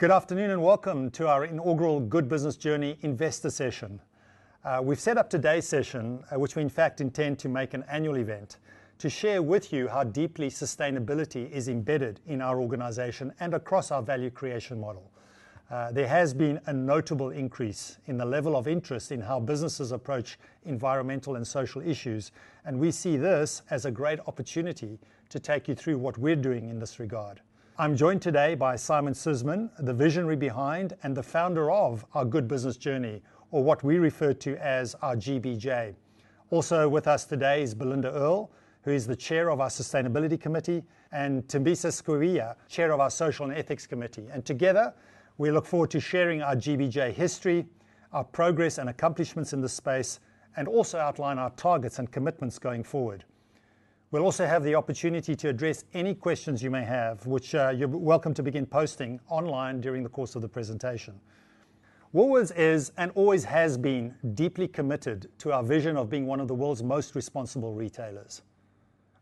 Good afternoon, and welcome to our inaugural Good Business Journey investor session. We've set up today's session, which we in fact intend to make an annual event, to share with you how deeply sustainability is embedded in our organization and across our value creation model. There has been a notable increase in the level of interest in how businesses approach environmental and social issues, and we see this as a great opportunity to take you through what we're doing in this regard. I'm joined today by Simon Susman, the visionary behind and the founder of our Good Business Journey, or what we refer to as our GBJ. Also with us today is Belinda Earl, who is the Chair of our Sustainability Committee, and Thembisa Skweyiya, Chair of our Social and Ethics Committee. Together, we look forward to sharing our GBJ history, our progress, and accomplishments in this space, and also outline our targets and commitments going forward. We'll also have the opportunity to address any questions you may have, which you're welcome to begin posting online during the course of the presentation. Woolworths is, and always has been, deeply committed to our vision of being one of the world's most responsible retailers.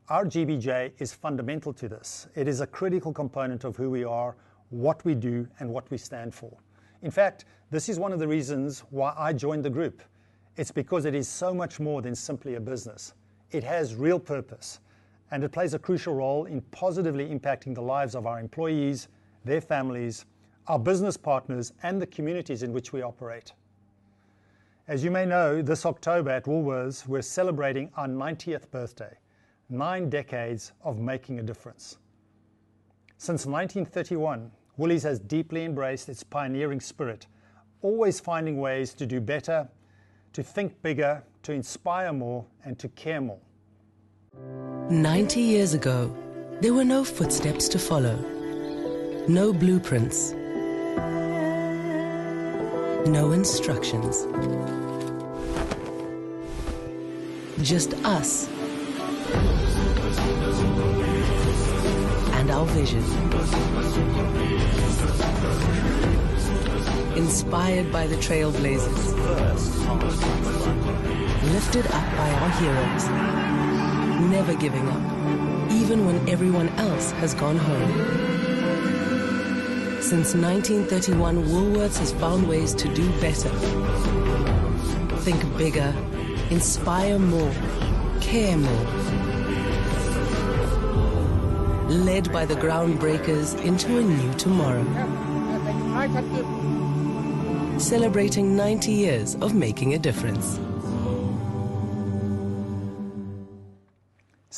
Our GBJ is fundamental to this. It is a critical component of who we are, what we do, and what we stand for. In fact, this is one of the reasons why I joined the group. It's because it is so much more than simply a business. It has real purpose, and it plays a crucial role in positively impacting the lives of our employees, their families, our business partners, and the communities in which we operate. As you may know, this October at Woolworths, we're celebrating our 90th birthday. Nine decades of making a difference. Since 1931, Woolies has deeply embraced its pioneering spirit, always finding ways to do better, to think bigger, to inspire more, and to care more. 90 years ago, there were no footsteps to follow, no blueprints, no instructions. Just us and our vision. Inspired by the trailblazers. Lifted up by our heroes. Never giving up, even when everyone else has gone home. Since 1931, Woolworths has found ways to do better, think bigger, inspire more, care more. Led by the ground breakers into a new tomorrow. Thank you. Celebrating 90 years of making a difference.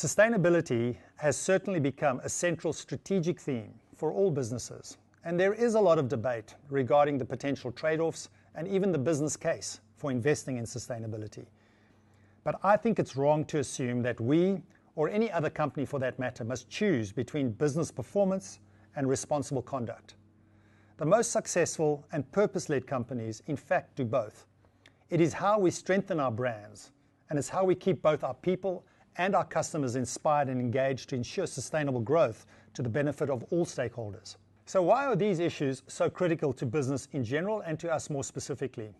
Sustainability has certainly become a central strategic theme for all businesses, and there is a lot of debate regarding the potential trade-offs and even the business case for investing in sustainability. I think it's wrong to assume that we, or any other company for that matter, must choose between business performance and responsible conduct. The most successful and purpose-led companies, in fact, do both. It is how we strengthen our brands, and it's how we keep both our people and our customers inspired and engaged to ensure sustainable growth to the benefit of all stakeholders. Why are these issues so critical to business in general, and to us more specifically?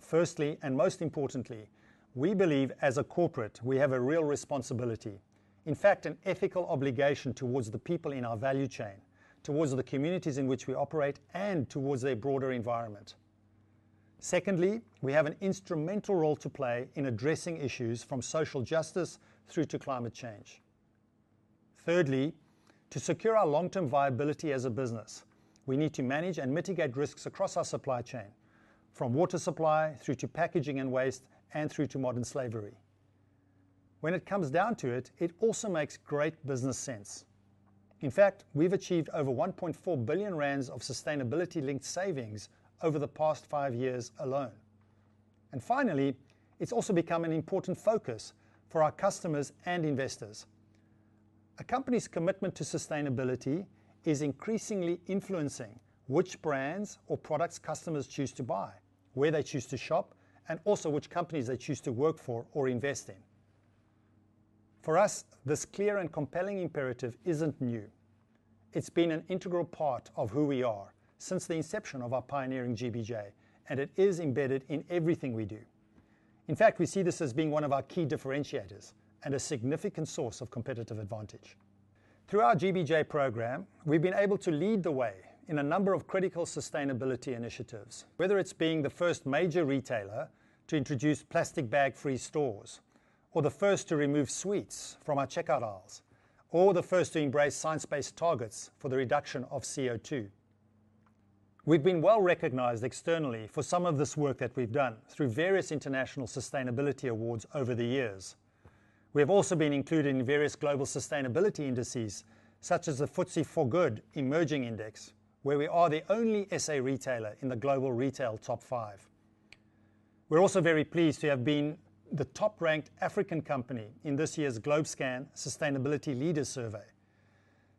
Firstly and most importantly, we believe as a corporate we have a real responsibility, in fact, an ethical obligation towards the people in our value chain, towards the communities in which we operate, and towards their broader environment. Secondly, we have an instrumental role to play in addressing issues from social justice through to climate change. Thirdly, to secure our long-term viability as a business, we need to manage and mitigate risks across our supply chain, from water supply through to packaging and waste, and through to modern slavery. When it comes down to it, it also makes great business sense. In fact, we've achieved over 1.4 billion rand of sustainability-linked savings over the past 5 years alone. Finally, it's also become an important focus for our customers and investors. A company's commitment to sustainability is increasingly influencing which brands or products customers choose to buy, where they choose to shop, and also which companies they choose to work for or invest in. For us, this clear and compelling imperative isn't new. It's been an integral part of who we are since the inception of our pioneering GBJ, and it is embedded in everything we do. In fact, we see this as being one of our key differentiators and a significant source of competitive advantage. Through our GBJ program, we've been able to lead the way in a number of critical sustainability initiatives, whether it's being the first major retailer to introduce plastic bag-free stores, or the first to remove sweets from our checkout aisles, or the first to embrace science-based targets for the reduction of CO2. We've been well recognized externally for some of this work that we've done through various international sustainability awards over the years. We have also been included in various global sustainability indices, such as the FTSE4Good Emerging Index, where we are the only SA retailer in the Global Retail Top 5. We're also very pleased to have been the top-ranked African company in this year's GlobeScan Sustainability Leaders Survey.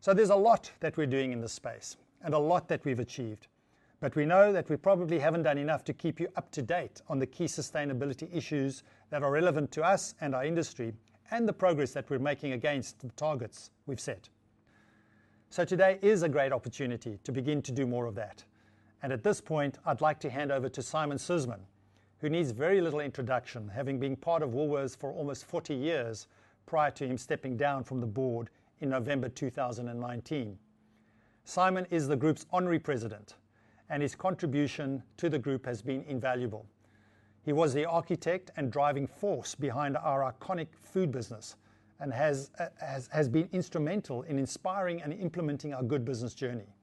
There's a lot that we're doing in this space, and a lot that we've achieved, but we know that we probably haven't done enough to keep you up to date on the key sustainability issues that are relevant to us and our industry, and the progress that we're making against the targets we've set. Today is a great opportunity to begin to do more of that. At this point, I'd like to hand over to Simon Susman, who needs very little introduction, having been part of Woolworths for almost 40 years prior to him stepping down from the board in November 2019. Simon is the group's honorary president, and his contribution to the group has been invaluable. He was the architect and driving force behind our iconic food business and has been instrumental in inspiring and implementing our Good Business Journey.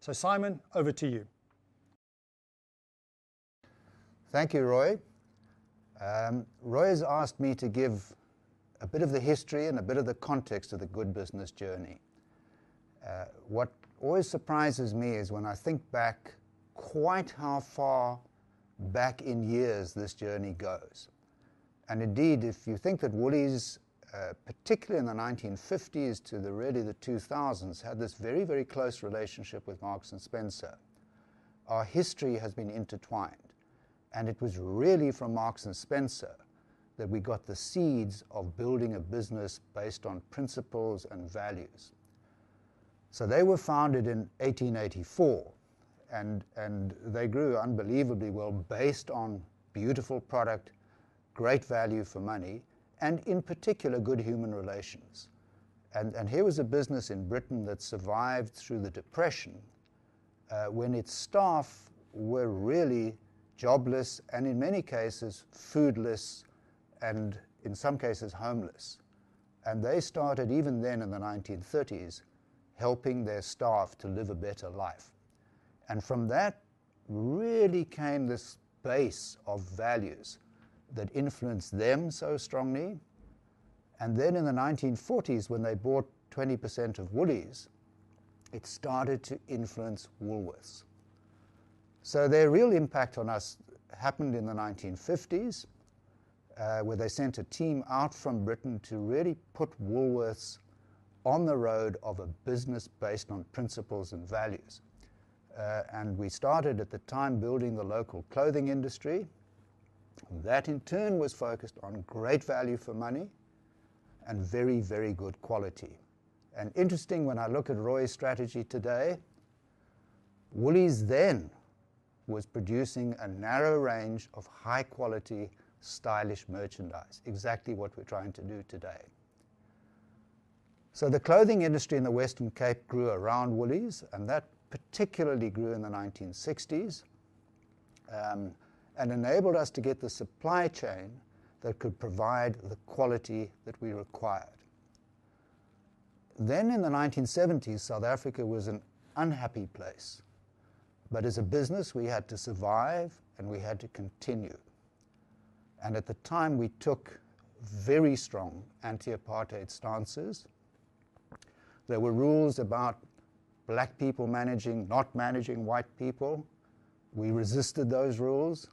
Simon, over to you. Thank you, Roy. Roy has asked me to give a bit of the history and a bit of the context of the Good Business Journey. What always surprises me is when I think back quite how far back in years this journey goes. Indeed, if you think that Woolies, particularly in the 1950s to really the 2000s, had this very, very close relationship with Marks & Spencer. Our history has been intertwined, and it was really from Marks & Spencer that we got the seeds of building a business based on principles and values. They were founded in 1884, and they grew unbelievably well based on beautiful product, great value for money, and in particular, good human relations. Here was a business in Britain that survived through the Depression, when its staff were really jobless and in many cases foodless and in some cases homeless. They started even then in the 1930s, helping their staff to live a better life. From that really came this base of values that influenced them so strongly, and then in the 1940s, when they bought 20% of Woolies, it started to influence Woolworths. Their real impact on us happened in the 1950s, where they sent a team out from Britain to really put Woolworths on the road of a business based on principles and values. We started at the time building the local clothing industry. That in turn was focused on great value for money and very, very good quality. Interesting, when I look at Roy's strategy today, Woolies then was producing a narrow range of high-quality, stylish merchandise, exactly what we're trying to do today. The clothing industry in the Western Cape grew around Woolies, and that particularly grew in the 1960s, and enabled us to get the supply chain that could provide the quality that we required. In the 1970s, South Africa was an unhappy place. As a business, we had to survive and we had to continue, and at the time, we took very strong anti-apartheid stances. There were rules about Black people managing, not managing white people. We resisted those rules.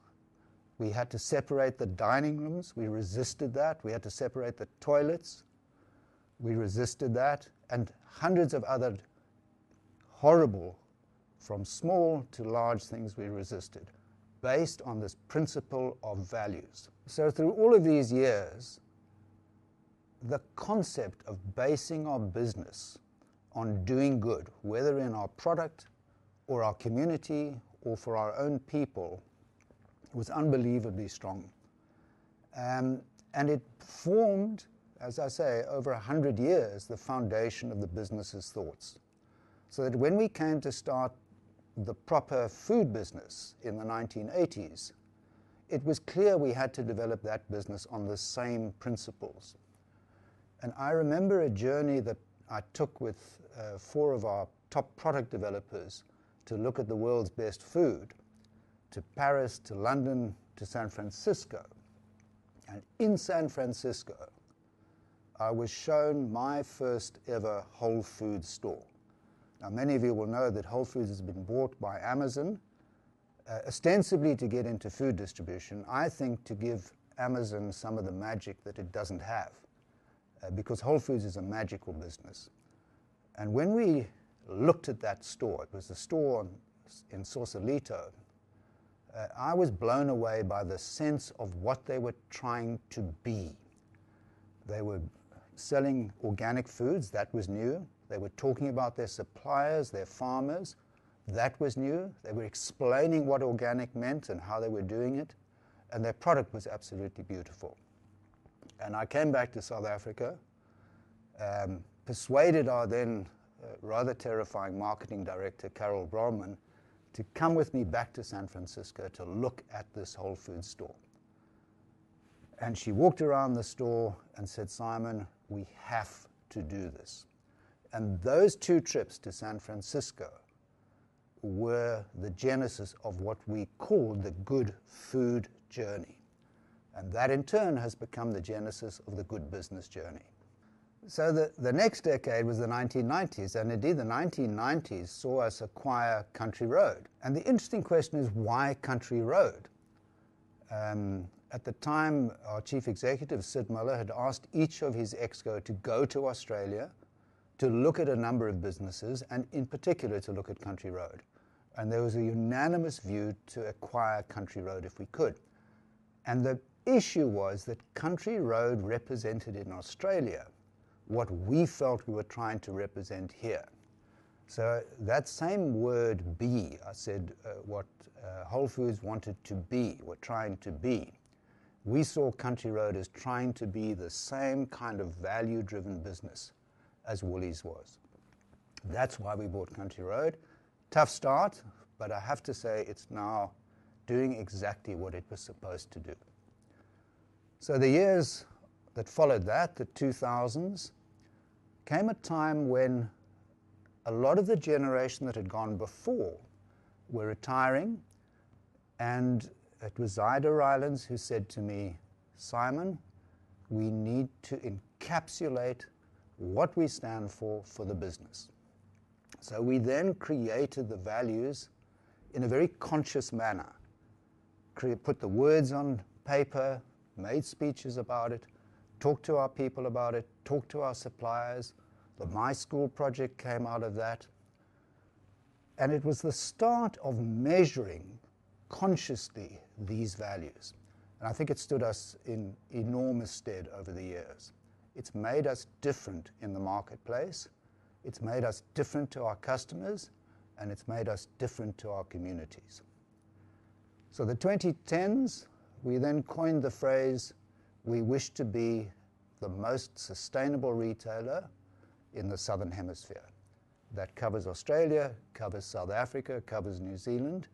We had to separate the dining rooms. We resisted that. We had to separate the toilets. We resisted that, and hundreds of other horrible, from small to large things we resisted based on this principle of values. Through all of these years, the concept of basing our business on doing good, whether in our product or our community or for our own people, was unbelievably strong. It formed, as I say, over 100 years, the foundation of the business's thoughts, so that when we came to start the proper food business in the 1980s, it was clear we had to develop that business on the same principles. I remember a journey that I took with four of our top product developers to look at the world's best food, to Paris, to London, to San Francisco. In San Francisco, I was shown my first ever Whole Foods Market. Now, many of you will know that Whole Foods has been bought by Amazon, ostensibly to get into food distribution, I think to give Amazon some of the magic that it doesn't have, because Whole Foods is a magical business. When we looked at that store, it was the store in Sausalito, I was blown away by the sense of what they were trying to be. They were selling organic foods. That was new. They were talking about their suppliers, their farmers. That was new. They were explaining what organic meant and how they were doing it, and their product was absolutely beautiful. I came back to South Africa, persuaded our then rather terrifying marketing director, Carol Broman, to come with me back to San Francisco to look at this Whole Foods Market. She walked around the store and said, "Simon, we have to do this." Those two trips to San Francisco were the genesis of what we called the Good Food Journey. That in turn has become the genesis of the Good Business Journey. The next decade was the 1990s. Indeed, the 1990s saw us acquire Country Road. The interesting question is why Country Road? At the time, our chief executive, Syd Muller, had asked each of his Exco to go to Australia to look at a number of businesses, in particular, to look at Country Road. There was a unanimous view to acquire Country Road if we could. The issue was that Country Road represented in Australia what we felt we were trying to represent here. That same word, be, I said what Whole Foods wanted to be, we're trying to be. We saw Country Road as trying to be the same kind of value-driven business as Woolies was. That's why we bought Country Road. Tough start, but I have to say it's now doing exactly what it was supposed to do. The years that followed that, the 2000s, came a time when a lot of the generation that had gone before were retiring, and it was Zyda Rylands who said to me, "Simon, we need to encapsulate what we stand for the business." We then created the values in a very conscious manner. Put the words on paper, made speeches about it, talked to our people about it, talked to our suppliers. The MySchool project came out of that, and it was the start of measuring consciously these values, and I think it stood us in enormous stead over the years. It's made us different in the marketplace, it's made us different to our customers, and it's made us different to our communities. The 2010s, we then coined the phrase, we wish to be the most sustainable retailer in the Southern Hemisphere. That covers Australia, covers South Africa, covers New Zealand,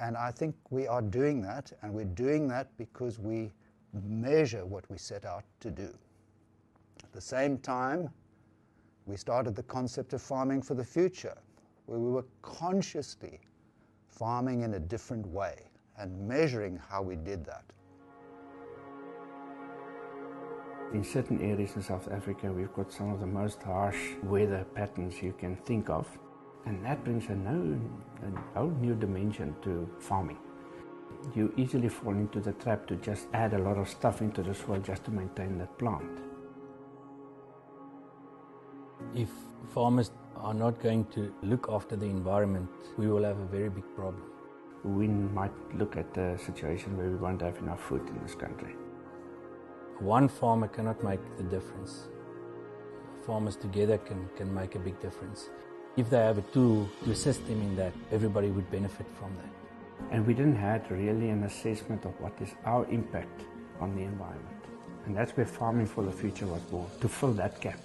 and I think we are doing that, and we're doing that because we measure what we set out to do. At the same time, we started the concept of Farming for the Future, where we were consciously farming in a different way and measuring how we did that. In certain areas in South Africa, we've got some of the most harsh weather patterns you can think of, and that brings a whole new dimension to farming. You easily fall into the trap to just add a lot of stuff into the soil just to maintain the plant. If farmers are not going to look after the environment, we will have a very big problem. We might look at a situation where we won't have enough food in this country. One farmer cannot make the difference. Farmers together can make a big difference. If they have a tool to assist them in that, everybody would benefit from that. We didn't have really an assessment of what is our impact on the environment, and that's where Farming for the Future was born, to fill that gap.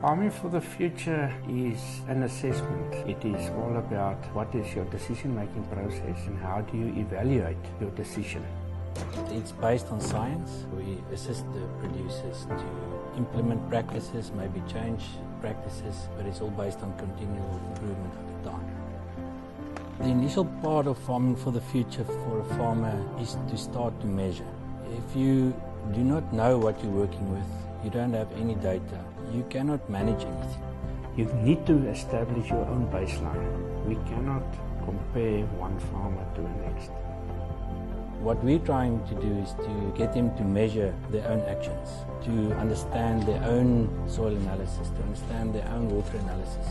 Farming for the Future is an assessment. It is all about what is your decision-making process and how do you evaluate your decision. It's based on science. We assist the producers to implement practices, maybe change practices, but it's all based on continual improvement over time. The initial part of Farming for the Future for a farmer is to start to measure. If you do not know what you're working with, you don't have any data, you cannot manage anything. You need to establish your own baseline. We cannot compare one farmer to the next. What we're trying to do is to get them to measure their own actions, to understand their own soil analysis, to understand their own water analysis.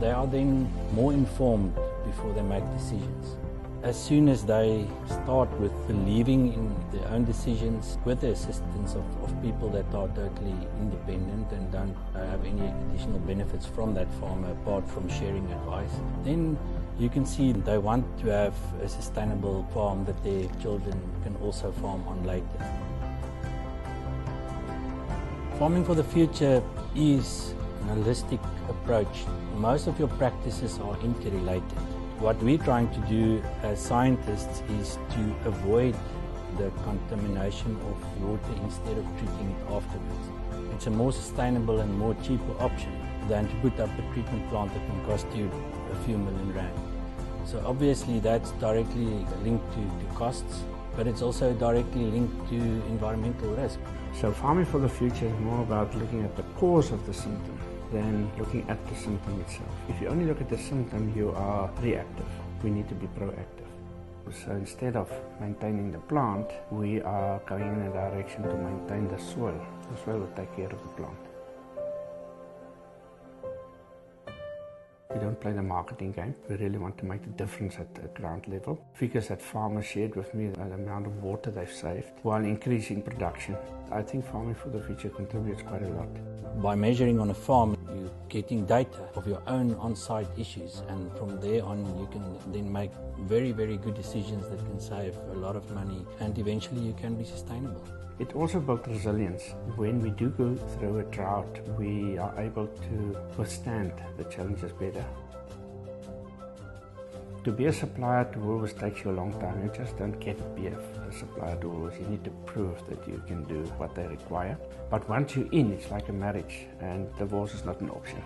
They are then more informed before they make decisions. As soon as they start with believing in their own decisions with the assistance of people that are totally independent and don't have any additional benefits from that farmer apart from sharing advice, then you can see they want to have a sustainable farm that their children can also farm on later. Farming for the Future is an holistic approach. Most of your practices are interrelated. What we're trying to do as scientists is to avoid the contamination of water instead of treating it afterwards. It's a more sustainable and more cheaper option than to put up a treatment plant that can cost you a few million ZAR. Obviously that's directly linked to the costs, but it's also directly linked to environmental risk. Farming for the Future is more about looking at the cause of the symptom than looking at the symptom itself. If you only look at the symptom, you are reactive. We need to be proactive. Instead of maintaining the plant, we are going in a direction to maintain the soil. The soil will take care of the plant. We don't play the marketing game. We really want to make a difference at the ground level. Figures that farmers shared with me, the amount of water they've saved while increasing production, I think Farming for the Future contributes quite a lot. By measuring on a farm, you're getting data of your own on-site issues, and from there on, you can then make very good decisions that can save a lot of money, and eventually you can be sustainable. It's also about resilience. When we do go through a drought, we are able to withstand the challenges better. To be a supplier to Woolworths takes you a long time. You just don't get to be a supplier to Woolworths. You need to prove that you can do what they require. Once you're in, it's like a marriage and divorce is not an option.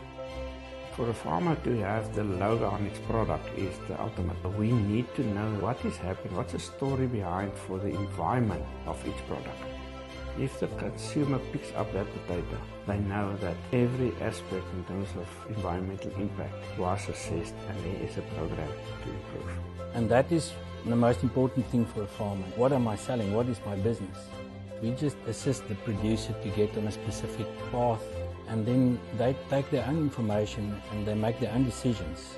For a farmer to have the logo on his product is the ultimate. We need to know what is happening, what's the story behind for the environment of each product. If the consumer picks up that potato, they know that every aspect in terms of environmental impact was assessed and there is a program. That is the most important thing for a farmer. What am I selling? What is my business? We just assist the producer to get on a specific path, and then they take their own information and they make their own decisions.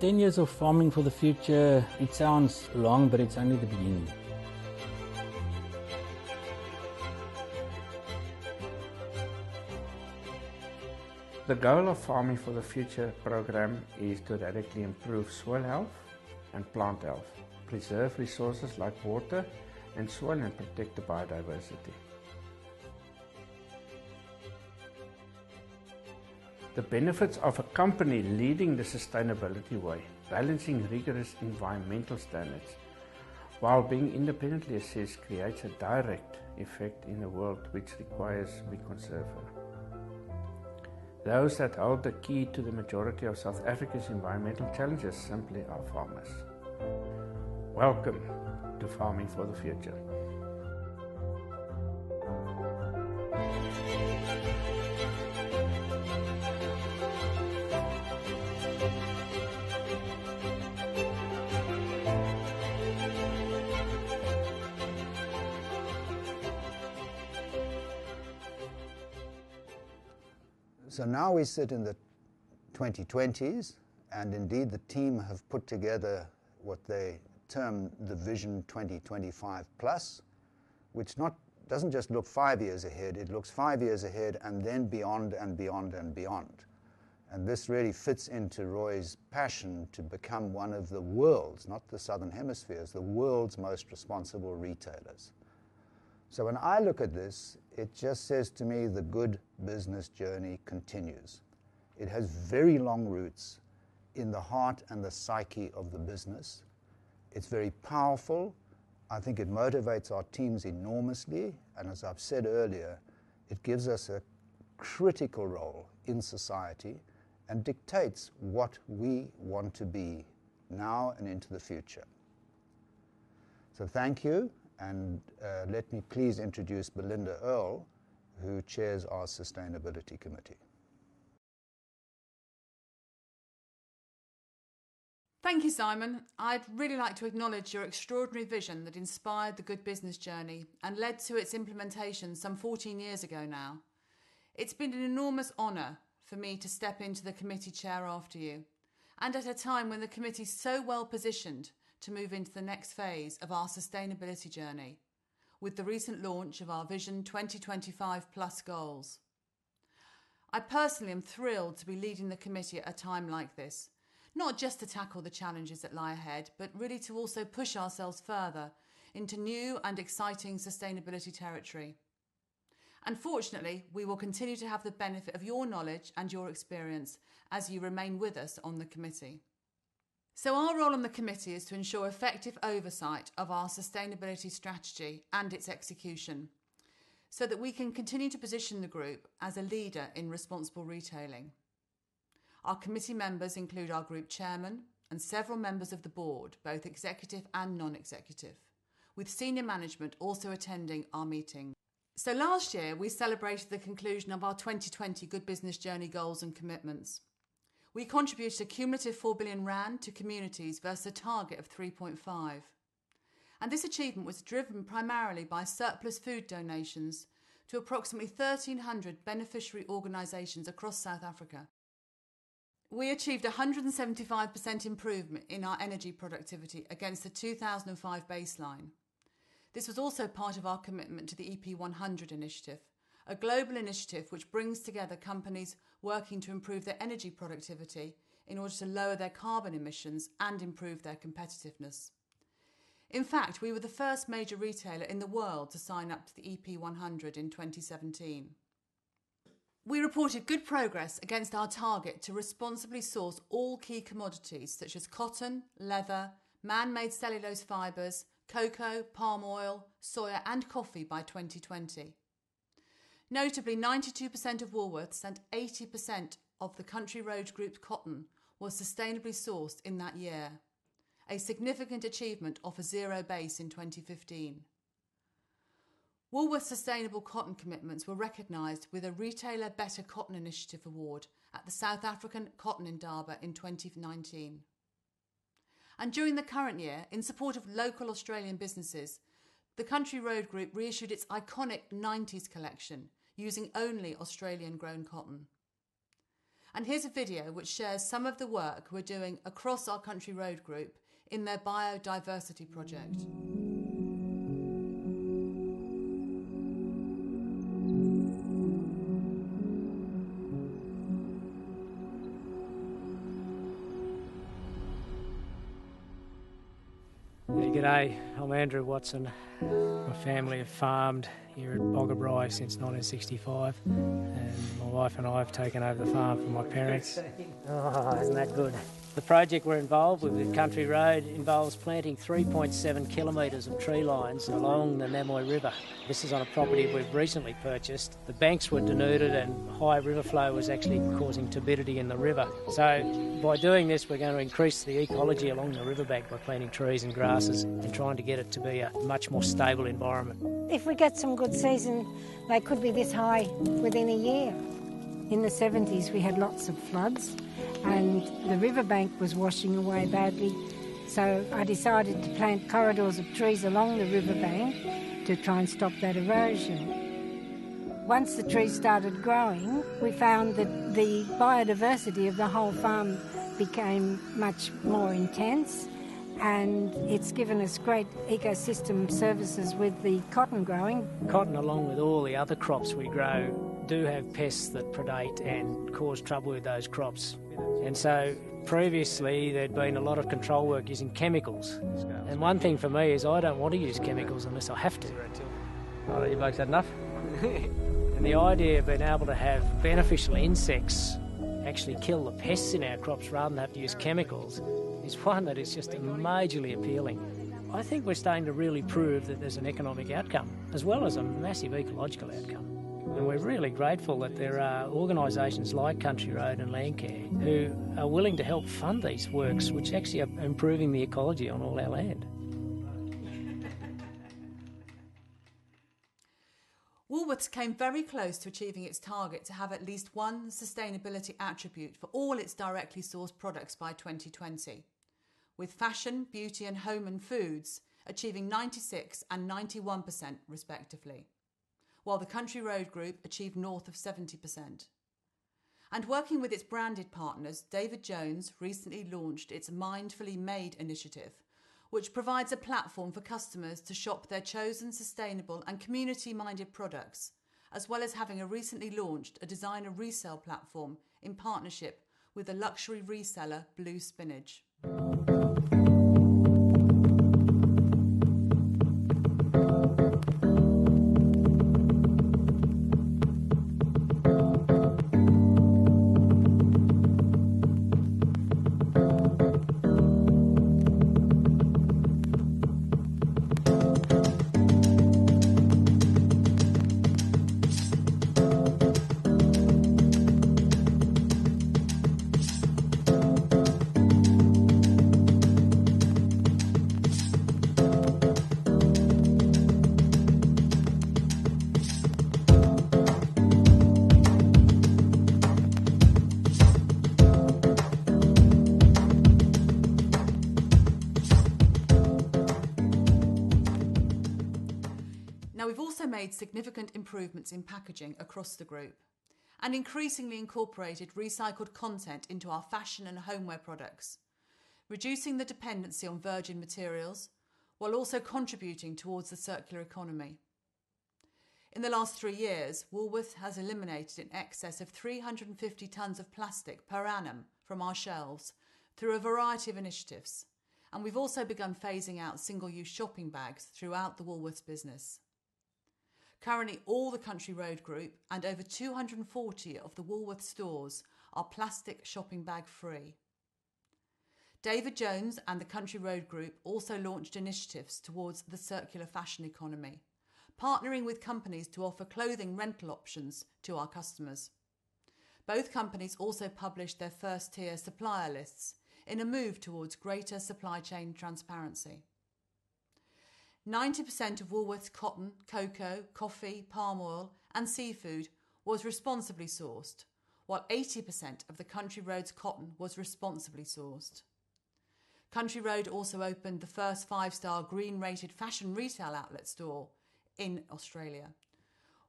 10 years of Farming for the Future, it sounds long, but it's only the beginning. The goal of Farming for the Future program is to radically improve soil health and plant health, preserve resources like water and soil, and protect the biodiversity. The benefits of a company leading the sustainability way, balancing rigorous environmental standards while being independently assessed, creates a direct effect in a world which requires we conserve it. Those that hold the key to the majority of South Africa's environmental challenges simply are farmers. Welcome to Farming for the Future. Now we sit in the 2020s, indeed, the team have put together what they term the Vision 2025 Plus, which doesn't just look five years ahead, it looks five years ahead and then beyond and beyond and beyond. This really fits into Roy's passion to become one of the world's, not the Southern Hemisphere's, the world's most responsible retailers. When I look at this, it just says to me the Good Business Journey continues. It has very long roots in the heart and the psyche of the business. It's very powerful. I think it motivates our teams enormously, and as I've said earlier, it gives us a critical role in society and dictates what we want to be now and into the future. Thank you, and let me please introduce Belinda Earl, who chairs our Sustainability Committee. Thank you, Simon. I'd really like to acknowledge your extraordinary vision that inspired the Good Business Journey and led to its implementation some 14 years ago now. It's been an enormous honor for me to step into the committee chair after you, and at a time when the committee's so well positioned to move into the next phase of our sustainability journey with the recent launch of our Vision 2025+ goals. I personally am thrilled to be leading the committee at a time like this, not just to tackle the challenges that lie ahead, Really, to also push ourselves further into new and exciting sustainability territory. Fortunately, we will continue to have the benefit of your knowledge and your experience as you remain with us on the committee. Our role on the committee is to ensure effective oversight of our sustainability strategy and its execution so that we can continue to position the group as a leader in responsible retailing. Our committee members include our group chairman and several members of the board, both executive and non-executive, with senior management also attending our meetings. Last year, we celebrated the conclusion of our 2020 Good Business Journey goals and commitments. We contributed a cumulative 4 billion rand to communities versus a target of 3.5 billion. This achievement was driven primarily by surplus food donations to approximately 1,300 beneficiary organizations across South Africa. We achieved 175% improvement in our energy productivity against the 2005 baseline. This was also part of our commitment to the EP100 initiative, a global initiative which brings together companies working to improve their energy productivity in order to lower their carbon emissions and improve their competitiveness. In fact, we were the first major retailer in the world to sign up to the EP100 in 2017. We reported good progress against our target to responsibly source all key commodities such as cotton, leather, man-made cellulose fibers, cocoa, palm oil, soya, and coffee by 2020. Notably, 92% of Woolworths and 80% of the Country Road Group's cotton was sustainably sourced in that year, a significant achievement off a zero base in 2015. Woolworths' sustainable cotton commitments were recognized with a Better Cotton Initiative Retailer Award at the South African Cotton Indaba in 2019. During the current year, in support of local Australian businesses, the Country Road Group reissued its iconic '90s collection using only Australian-grown cotton. Here's a video which shares some of the work we're doing across our Country Road Group in their biodiversity project. G'day. I'm Andrew Watson. My family have farmed here at Boggabri since 1965, and my wife and I have taken over the farm from my parents. Isn't that good? The project we're involved with with Country Road involves planting 3.7 kilometers of tree lines along the Namoi River. This is on a property we've recently purchased. The banks were denuded, and high river flow was actually causing turbidity in the river. By doing this, we're going to increase the ecology along the riverbank by planting trees and grasses and trying to get it to be a much more stable environment. If we get some good season, they could be this high within a year. In the '70s, we had lots of floods and the riverbank was washing away badly. I decided to plant corridors of trees along the riverbank to try and stop that erosion. Once the trees started growing, we found that the biodiversity of the whole farm became much more intense, and it's given us great ecosystem services with the cotton growing. Cotton, along with all the other crops we grow, do have pests that predate and cause trouble with those crops. Previously there'd been a lot of control work using chemicals, and one thing for me is I don't want to use chemicals unless I have to. Right, you both had enough? The idea of being able to have beneficial insects actually kill the pests in our crops rather than have to use chemicals is one that is just majorly appealing. I think we're starting to really prove that there's an economic outcome as well as a massive ecological outcome. We're really grateful that there are organizations like Country Road and Landcare who are willing to help fund these works, which actually are improving the ecology on all our land. Woolworths came very close to achieving its target to have at least one sustainability attribute for all its directly sourced products by 2020. With fashion, beauty and home, and foods achieving 96% and 91% respectively, while the Country Road Group achieved north of 70%. Working with its branded partners, David Jones recently launched its Mindfully Made initiative, which provides a platform for customers to shop their chosen sustainable and community-minded products, as well as having recently launched a designer resale platform in partnership with a luxury reseller, Blue Spinach. We've also made significant improvements in packaging across the group, and increasingly incorporated recycled content into our fashion and homeware products, reducing the dependency on virgin materials while also contributing towards the circular economy. In the last three years, Woolworths has eliminated in excess of 350 tons of plastic per annum from our shelves through a variety of initiatives, and we've also begun phasing out single-use shopping bags throughout the Woolworths business. Currently, all the Country Road Group and over 240 of the Woolworths stores are plastic shopping bag free. David Jones and the Country Road Group also launched initiatives towards the circular fashion economy, partnering with companies to offer clothing rental options to our customers. Both companies also published their first-tier supplier lists in a move towards greater supply chain transparency. 90% of Woolworths' cotton, cocoa, coffee, palm oil, and seafood was responsibly sourced, while 80% of the Country Road's cotton was responsibly sourced. Country Road also opened the first 5-star, green-rated fashion retail outlet store in Australia,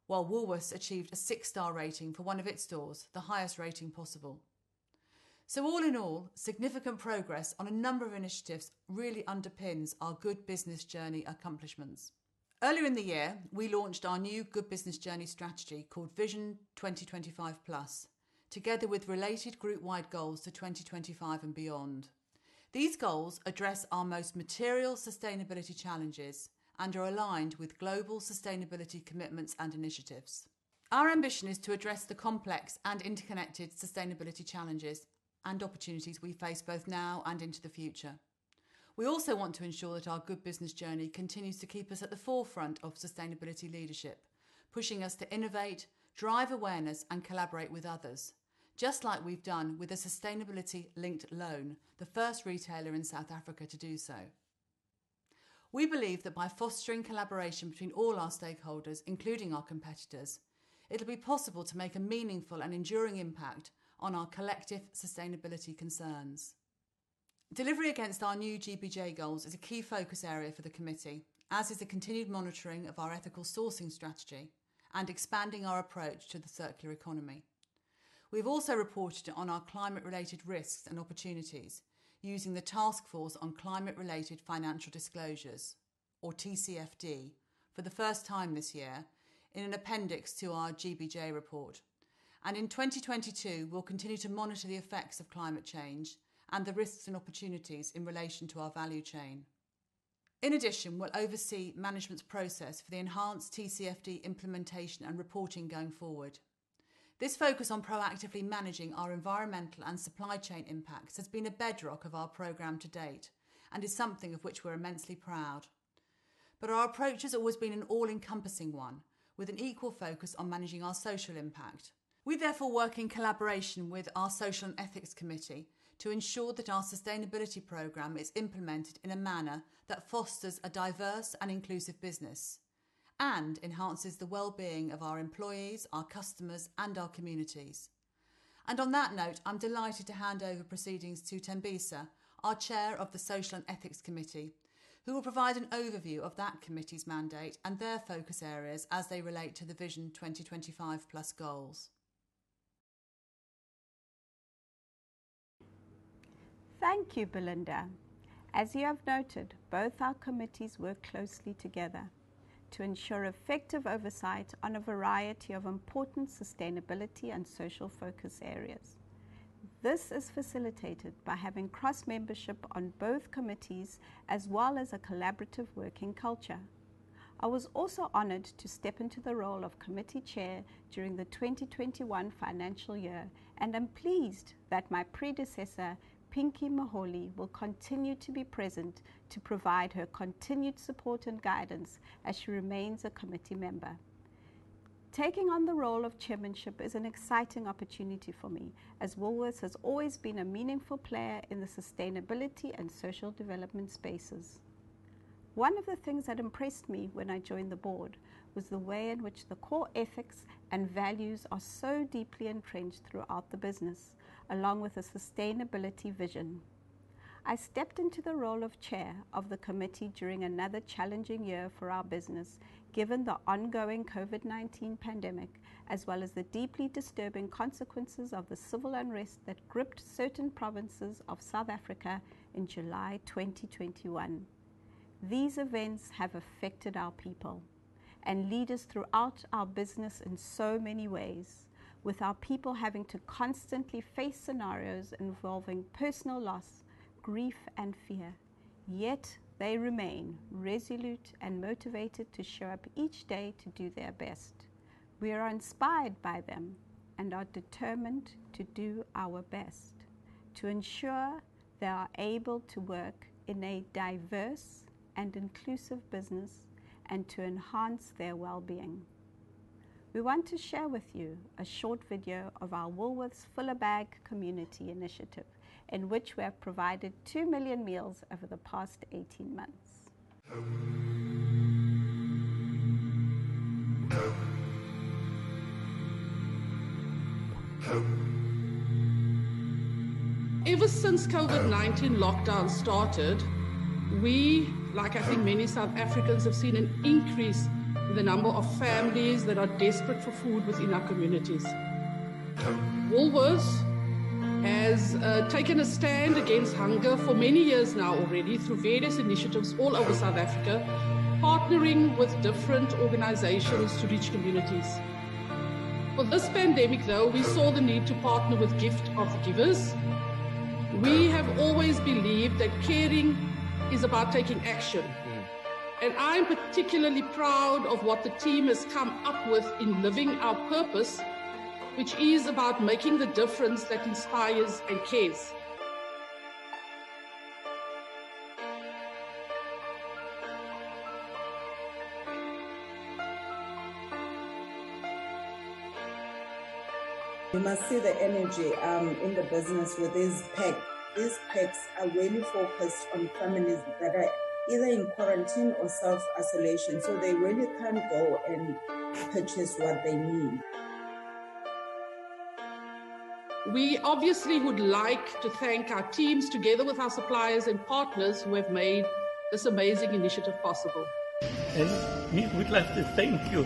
while Woolworths achieved a 6-star rating for one of its stores, the highest rating possible. All in all, significant progress on a number of initiatives really underpins our Good Business Journey accomplishments. Earlier in the year, we launched our new Good Business Journey strategy called Vision 2025+, together with related group-wide goals to 2025 and beyond. These goals address our most material sustainability challenges and are aligned with global sustainability commitments and initiatives. Our ambition is to address the complex and interconnected sustainability challenges and opportunities we face both now and into the future. We also want to ensure that our Good Business Journey continues to keep us at the forefront of sustainability leadership, pushing us to innovate, drive awareness, and collaborate with others, just like we've done with a sustainability-linked loan, the first retailer in South Africa to do so. We believe that by fostering collaboration between all our stakeholders, including our competitors, it'll be possible to make a meaningful and enduring impact on our collective sustainability concerns. Delivery against our new GBJ goals is a key focus area for the committee, as is the continued monitoring of our ethical sourcing strategy and expanding our approach to the circular economy. We've also reported on our climate-related risks and opportunities using the Task Force on Climate-related Financial Disclosures, or TCFD, for the first time this year in an appendix to our GBJ report. In 2022, we'll continue to monitor the effects of climate change and the risks and opportunities in relation to our value chain. In addition, we'll oversee management's process for the enhanced TCFD implementation and reporting going forward. This focus on proactively managing our environmental and supply chain impacts has been a bedrock of our program to date and is something of which we're immensely proud. Our approach has always been an all-encompassing one with an equal focus on managing our social impact. We therefore work in collaboration with our Social and Ethics Committee to ensure that our sustainability program is implemented in a manner that fosters a diverse and inclusive business and enhances the wellbeing of our employees, our customers, and our communities. On that note, I'm delighted to hand over proceedings to Thembisa Skweyiya, our Chairman of the Social and Ethics Committee, who will provide an overview of that committee's mandate and their focus areas as they relate to the Vision 2025+ goals. Thank you, Belinda. As you have noted, both our committees work closely together to ensure effective oversight on a variety of important sustainability and social focus areas. This is facilitated by having cross-membership on both committees as well as a collaborative working culture. I was also honored to step into the role of committee chair during the 2021 financial year. I'm pleased that my predecessor, Pinky Moholi, will continue to be present to provide her continued support and guidance as she remains a committee member. Taking on the role of chairmanship is an exciting opportunity for me, as Woolworths has always been a meaningful player in the sustainability and social development spaces. One of the things that impressed me when I joined the board was the way in which the core ethics and values are so deeply entrenched throughout the business, along with a sustainability vision. I stepped into the role of chair of the committee during another challenging year for our business, given the ongoing COVID-19 pandemic, as well as the deeply disturbing consequences of the civil unrest that gripped certain provinces of South Africa in July 2021. These events have affected our people and leaders throughout our business in so many ways, with our people having to constantly face scenarios involving personal loss, grief, and fear. They remain resolute and motivated to show up each day to do their best. We are inspired by them and are determined to do our best to ensure they are able to work in a diverse and inclusive business and to enhance their wellbeing. We want to share with you a short video of our Woolworths Fill a Bag community initiative, in which we have provided 2 million meals over the past 18 months. Ever since COVID-19 lockdown started, we, like I think many South Africans, have seen an increase in the number of families that are desperate for food within our communities. Woolworths has taken a stand against hunger for many years now already through various initiatives all over South Africa, partnering with different organizations to reach communities. For this pandemic, though, we saw the need to partner with Gift of the Givers. We have always believed that caring is about taking action. I'm particularly proud of what the team has come up with in living our purpose, which is about making the difference that inspires and cares. You must see the energy in the business with these packs. These packs are really focused on families that are either in quarantine or self-isolation, so they really can't go and purchase what they need. We obviously would like to thank our teams, together with our suppliers and partners, who have made this amazing initiative possible. Me, we'd like to thank you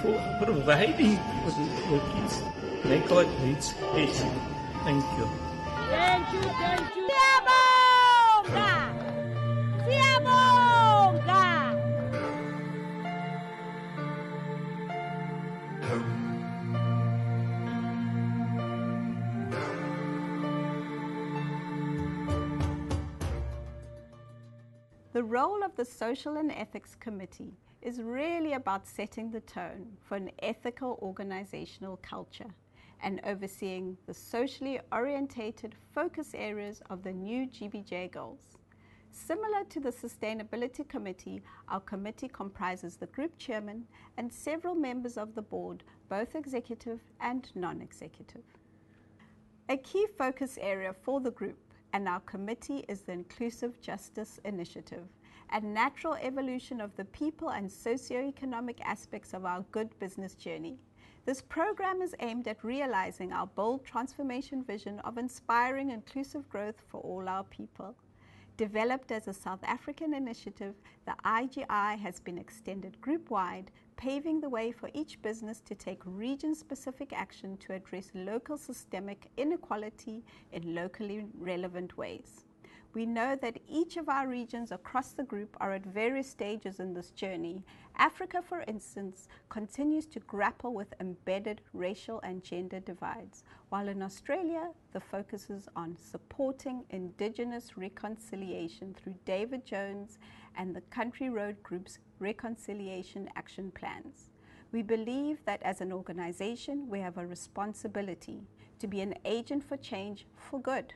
for providing for the kids. They quite need it. Thank you. Thank you. Thank you. The role of the Social and Ethics Committee is really about setting the tone for an ethical organizational culture and overseeing the socially orientated focus areas of the new GBJ goals. Similar to the Sustainability Committee, our committee comprises the group chairman and several members of the board, both executive and non-executive. A key focus area for the group and our committee is the Inclusive Justice Initiative, a natural evolution of the people and socioeconomic aspects of our Good Business Journey. This program is aimed at realizing our bold transformation vision of inspiring inclusive growth for all our people. Developed as a South African initiative, the IJI has been extended group-wide, paving the way for each business to take region-specific action to address local systemic inequality in locally relevant ways. We know that each of our regions across the group are at various stages in this journey. Africa, for instance, continues to grapple with embedded racial and gender divides, while in Australia, the focus is on supporting indigenous reconciliation through David Jones and the Country Road Group's Reconciliation Action Plans. We believe that as an organization, we have a responsibility to be an agent for change for good.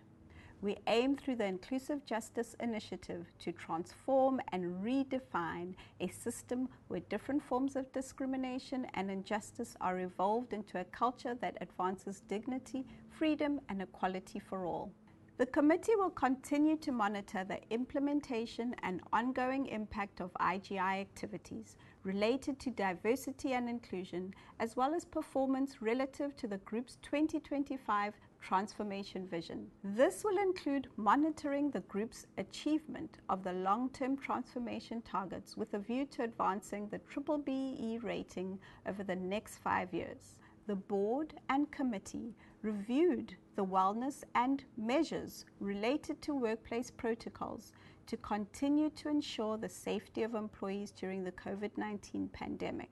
We aim through the Inclusive Justice Initiative to transform and redefine a system where different forms of discrimination and injustice are evolved into a culture that advances dignity, freedom, and equality for all. The committee will continue to monitor the implementation and ongoing impact of IJI activities related to diversity and inclusion, as well as performance relative to the group's 2025 transformation vision. This will include monitoring the group's achievement of the long-term transformation targets with a view to advancing the triple B rating over the next 5 years. The board and committee reviewed the wellness and measures related to workplace protocols to continue to ensure the safety of employees during the COVID-19 pandemic.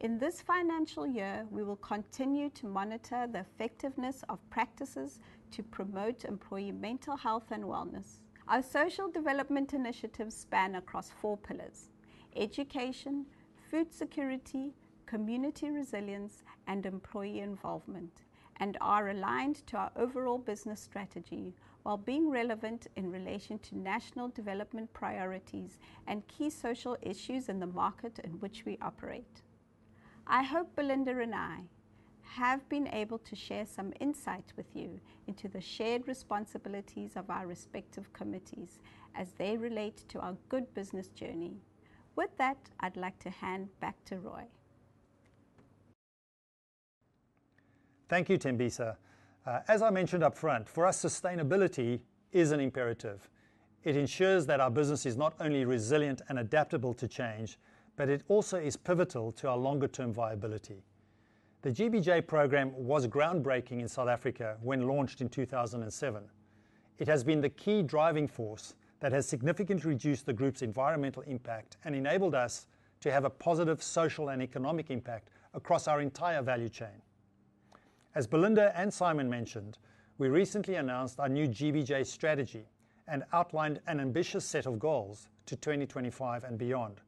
In this financial year, we will continue to monitor the effectiveness of practices to promote employee mental health and wellness. Our social development initiatives span across four pillars: education, food security, community resilience, and employee involvement, and are aligned to our overall business strategy, while being relevant in relation to national development priorities and key social issues in the market in which we operate. I hope Belinda and I have been able to share some insight with you into the shared responsibilities of our respective committees as they relate to our Good Business Journey. With that, I'd like to hand back to Roy. Thank you, Thembisa. As I mentioned upfront, for us, sustainability is an imperative. It ensures that our business is not only resilient and adaptable to change, but it also is pivotal to our longer-term viability. The GBJ program was groundbreaking in South Africa when launched in 2007. It has been the key driving force that has significantly reduced the group's environmental impact and enabled us to have a positive social and economic impact across our entire value chain. As Belinda and Simon mentioned, we recently announced our new GBJ strategy and outlined an ambitious set of goals to 2025 and beyond.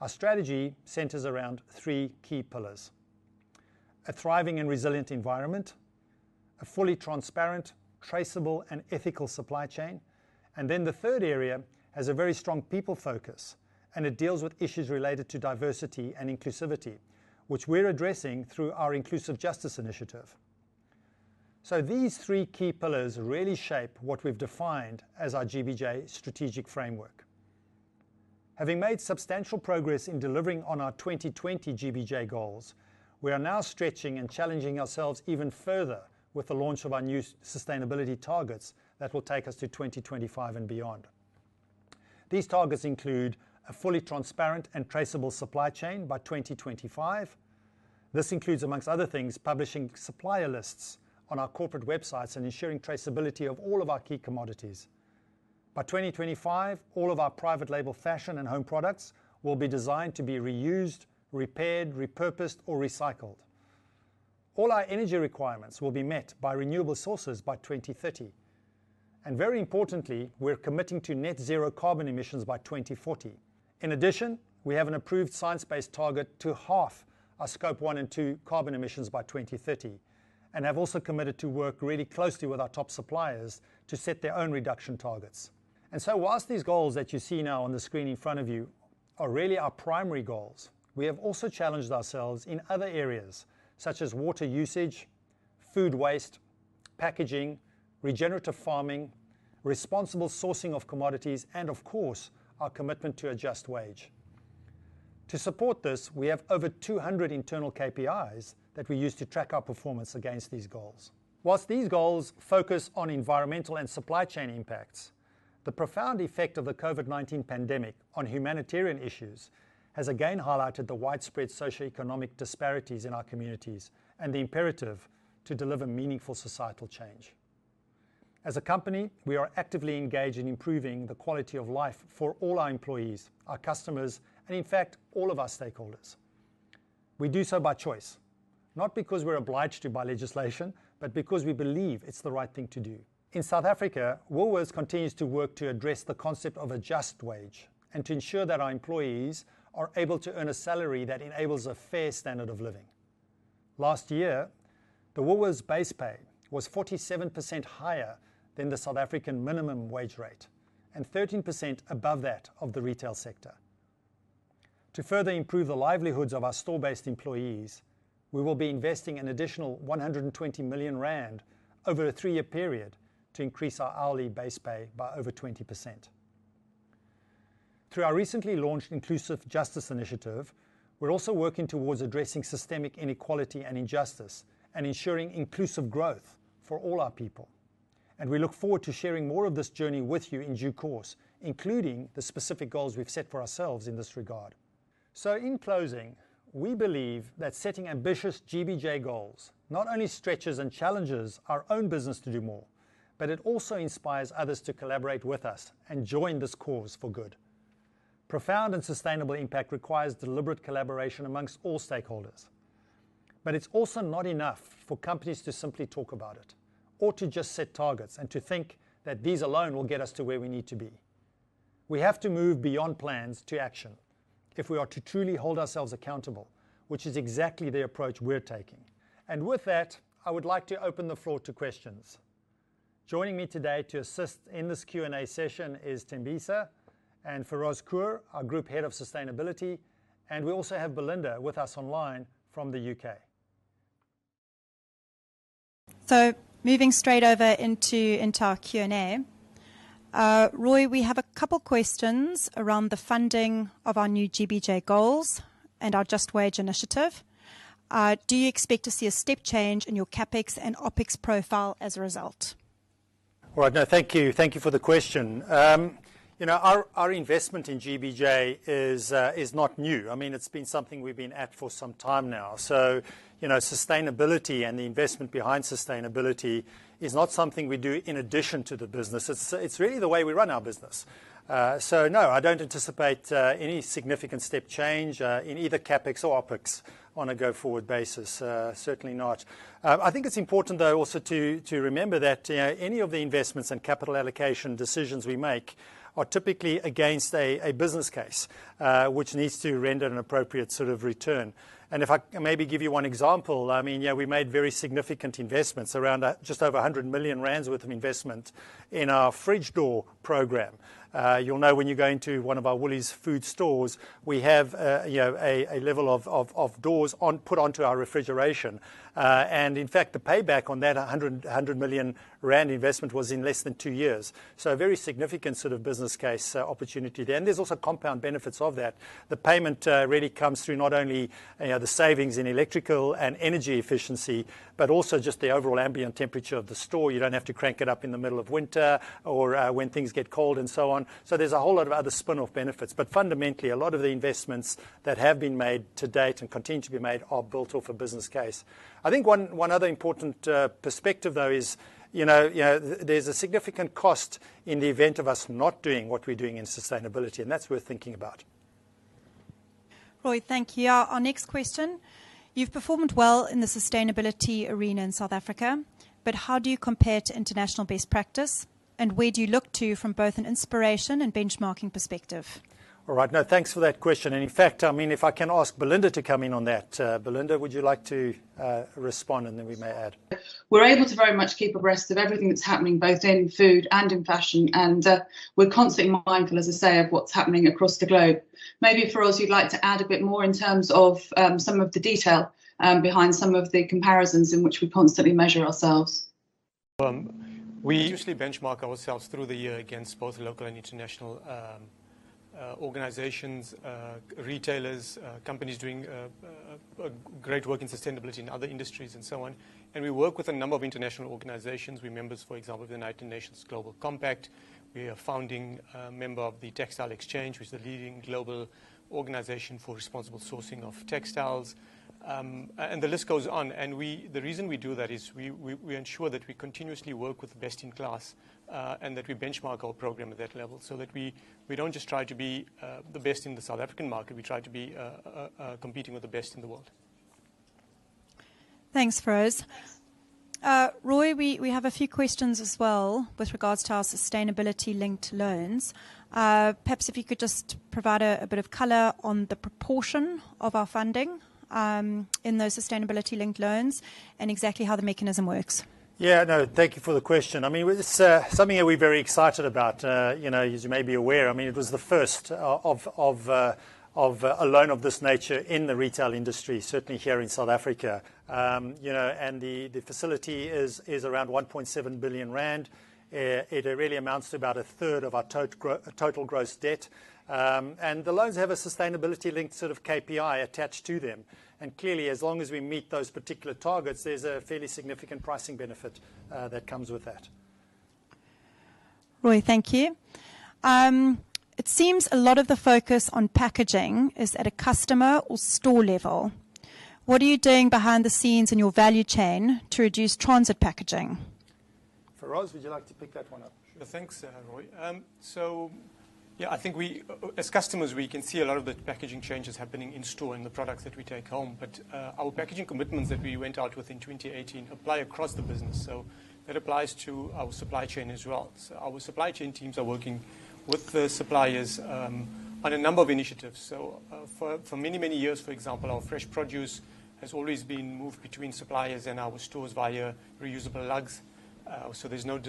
Our strategy centers around 3 key pillars: a thriving and resilient environment, a fully transparent, traceable, and ethical supply chain, and then the third area has a very strong people focus, and it deals with issues related to diversity and inclusivity, which we're addressing through our Inclusive Justice Initiative. These three key pillars really shape what we've defined as our GBJ strategic framework. Having made substantial progress in delivering on our 2020 GBJ goals, we are now stretching and challenging ourselves even further with the launch of our new sustainability targets that will take us to 2025 and beyond. These targets include a fully transparent and traceable supply chain by 2025. This includes, among other things, publishing supplier lists on our corporate websites and ensuring traceability of all of our key commodities. By 2025, all of our private label fashion and home products will be designed to be reused, repaired, repurposed, or recycled. All our energy requirements will be met by renewable sources by 2030, and very importantly, we're committing to net zero carbon emissions by 2040. In addition, we have an approved science-based target to halve our Scope 1 and 2 carbon emissions by 2030 and have also committed to work really closely with our top suppliers to set their own reduction targets. Whilst these goals that you see now on the screen in front of you are really our primary goals, we have also challenged ourselves in other areas such as water usage, food waste, packaging, regenerative farming, responsible sourcing of commodities, and of course, our commitment to a just wage. To support this, we have over 200 internal KPIs that we use to track our performance against these goals. Whilst these goals focus on environmental and supply chain impacts, the profound effect of the COVID-19 pandemic on humanitarian issues has again highlighted the widespread socioeconomic disparities in our communities and the imperative to deliver meaningful societal change. As a company, we are actively engaged in improving the quality of life for all our employees, our customers, and in fact, all of our stakeholders. We do so by choice, not because we're obliged to by legislation, but because we believe it's the right thing to do. In South Africa, Woolworths continues to work to address the concept of a just wage and to ensure that our employees are able to earn a salary that enables a fair standard of living. Last year, the Woolworths base pay was 47% higher than the South African minimum wage rate and 13% above that of the retail sector. To further improve the livelihoods of our store-based employees, we will be investing an additional 120 million rand over a 3-year period to increase our hourly base pay by over 20%. Through our recently launched Inclusive Justice Initiative, we're also working towards addressing systemic inequality and injustice and ensuring inclusive growth for all our people. We look forward to sharing more of this journey with you in due course, including the specific goals we've set for ourselves in this regard. In closing, we believe that setting ambitious GBJ goals not only stretches and challenges our own business to do more, but it also inspires others to collaborate with us and join this cause for good. Profound and sustainable impact requires deliberate collaboration amongst all stakeholders. It's also not enough for companies to simply talk about it or to just set targets and to think that these alone will get us to where we need to be. We have to move beyond plans to action if we are to truly hold ourselves accountable, which is exactly the approach we're taking. With that, I would like to open the floor to questions. Joining me today to assist in this Q&A session is Thembisa and Feroz Koor, our Group Head of Sustainability, and we also have Belinda with us online from the U.K. Moving straight over into our Q&A. Roy, we have a couple questions around the funding of our new GBJ goals and our Just Wage initiative. Do you expect to see a step change in your CapEx and OpEx profile as a result? All right. No, thank you. Thank you for the question. Our investment in GBJ is not new. It's been something we've been at for some time now. Sustainability and the investment behind sustainability is not something we do in addition to the business. It's really the way we run our business. No, I don't anticipate any significant step change in either CapEx or OpEx on a go-forward basis, certainly not. I think it's important, though, also to remember that any of the investments and capital allocation decisions we make are typically against a business case, which needs to render an appropriate sort of return. If I maybe give you one example, we made very significant investments, just over 100 million rand worth of investment, in our fridge door program. You'll know when you go into one of our Woolies food stores, we have a level of doors put onto our refrigeration. In fact, the payback on that 100 million rand investment was in less than 2 years. A very significant sort of business case opportunity there. There's also compound benefits of that. The payment really comes through not only the savings in electrical and energy efficiency, but also just the overall ambient temperature of the store. You don't have to crank it up in the middle of winter or when things get cold and so on. There's a whole lot of other spin-off benefits. Fundamentally, a lot of the investments that have been made to date and continue to be made are built off a business case. I think one other important perspective, though, is there's a significant cost in the event of us not doing what we're doing in sustainability, and that's worth thinking about. Roy, thank you. Our next question. You've performed well in the sustainability arena in South Africa, but how do you compare to international best practice, and where do you look to from both an inspiration and benchmarking perspective? All right. No, thanks for that question. In fact, if I can ask Belinda to come in on that. Belinda, would you like to respond? Then we may add. We're able to very much keep abreast of everything that's happening, both in food and in fashion, and we're constantly mindful, as I say, of what's happening across the globe. Maybe, Feroz, you'd like to add a bit more in terms of some of the detail behind some of the comparisons in which we constantly measure ourselves. We usually benchmark ourselves through the year against both local and international organizations, retailers, companies doing great work in sustainability in other industries and so on. We work with a number of international organizations. We're members, for example, of the United Nations Global Compact. We are founding member of the Textile Exchange, which is a leading global organization for responsible sourcing of textiles, and the list goes on. The reason we do that is we ensure that we continuously work with best in class, and that we benchmark our program at that level so that we don't just try to be the best in the South African market. We try to be competing with the best in the world. Thanks, Feroz. Roy, we have a few questions as well with regards to our sustainability-linked loans. Perhaps if you could just provide a bit of color on the proportion of our funding in those sustainability-linked loans and exactly how the mechanism works. Yeah, no, thank you for the question. This is something that we're very excited about. As you may be aware, it was the first of a loan of this nature in the retail industry, certainly here in South Africa. The facility is around 1.7 billion rand. It really amounts to about a third of our total gross debt. The loans have a sustainability-linked sort of KPI attached to them. Clearly, as long as we meet those particular targets, there's a fairly significant pricing benefit that comes with that. Roy, thank you. It seems a lot of the focus on packaging is at a customer or store level. What are you doing behind the scenes in your value chain to reduce transit packaging? Feroz, would you like to pick that one up? Sure. Thanks, Roy. I think as customers, we can see a lot of the packaging changes happening in store in the products that we take home. Our packaging commitments that we went out with in 2018 apply across the business, so that applies to our supply chain as well. Our supply chain teams are working with the suppliers on a number of initiatives. For many, many years, for example, our fresh produce has always been moved between suppliers and our stores via reusable lugs, so there's no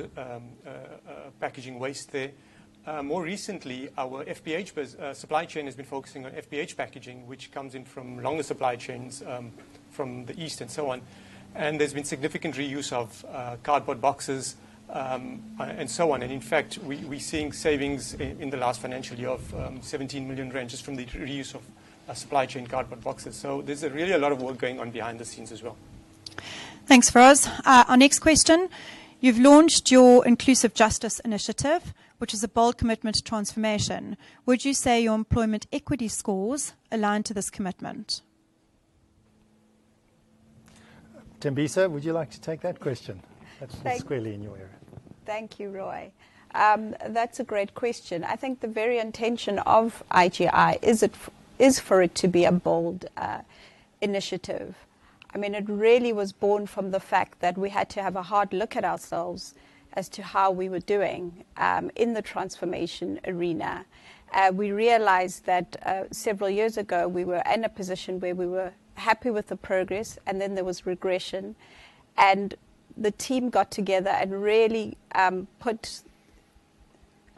packaging waste there. More recently, our FBH supply chain has been focusing on FBH packaging, which comes in from longer supply chains from the East and so on, and there's been significant reuse of cardboard boxes and so on. In fact, we're seeing savings in the last financial year of 17 million rand just from the reuse of supply chain cardboard boxes. There's really a lot of work going on behind the scenes as well. Thanks, Feroz. Our next question. You've launched your Inclusive Justice Initiative, which is a bold commitment to transformation. Would you say your employment equity scores align to this commitment? Thembisa, would you like to take that question? Thank- That's squarely in your area. Thank you, Roy. That's a great question. I think the very intention of IGI is for it to be a bold initiative. It really was born from the fact that we had to have a hard look at ourselves as to how we were doing in the transformation arena. We realized that several years ago, we were in a position where we were happy with the progress, and then there was regression. The team got together and really put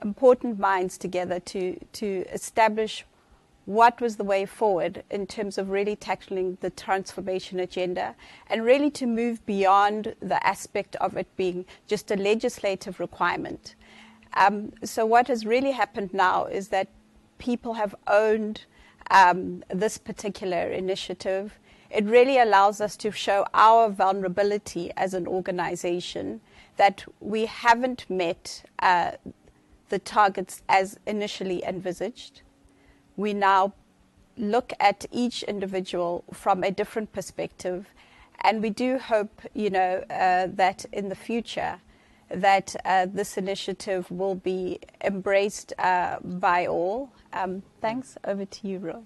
important minds together to establish what was the way forward in terms of really tackling the transformation agenda, and really to move beyond the aspect of it being just a legislative requirement. What has really happened now is that people have owned this particular initiative. It really allows us to show our vulnerability as an organization, that we haven't met the targets as initially envisaged. We now look at each individual from a different perspective. We do hope that in the future, that this initiative will be embraced by all. Thanks. Over to you, Roy.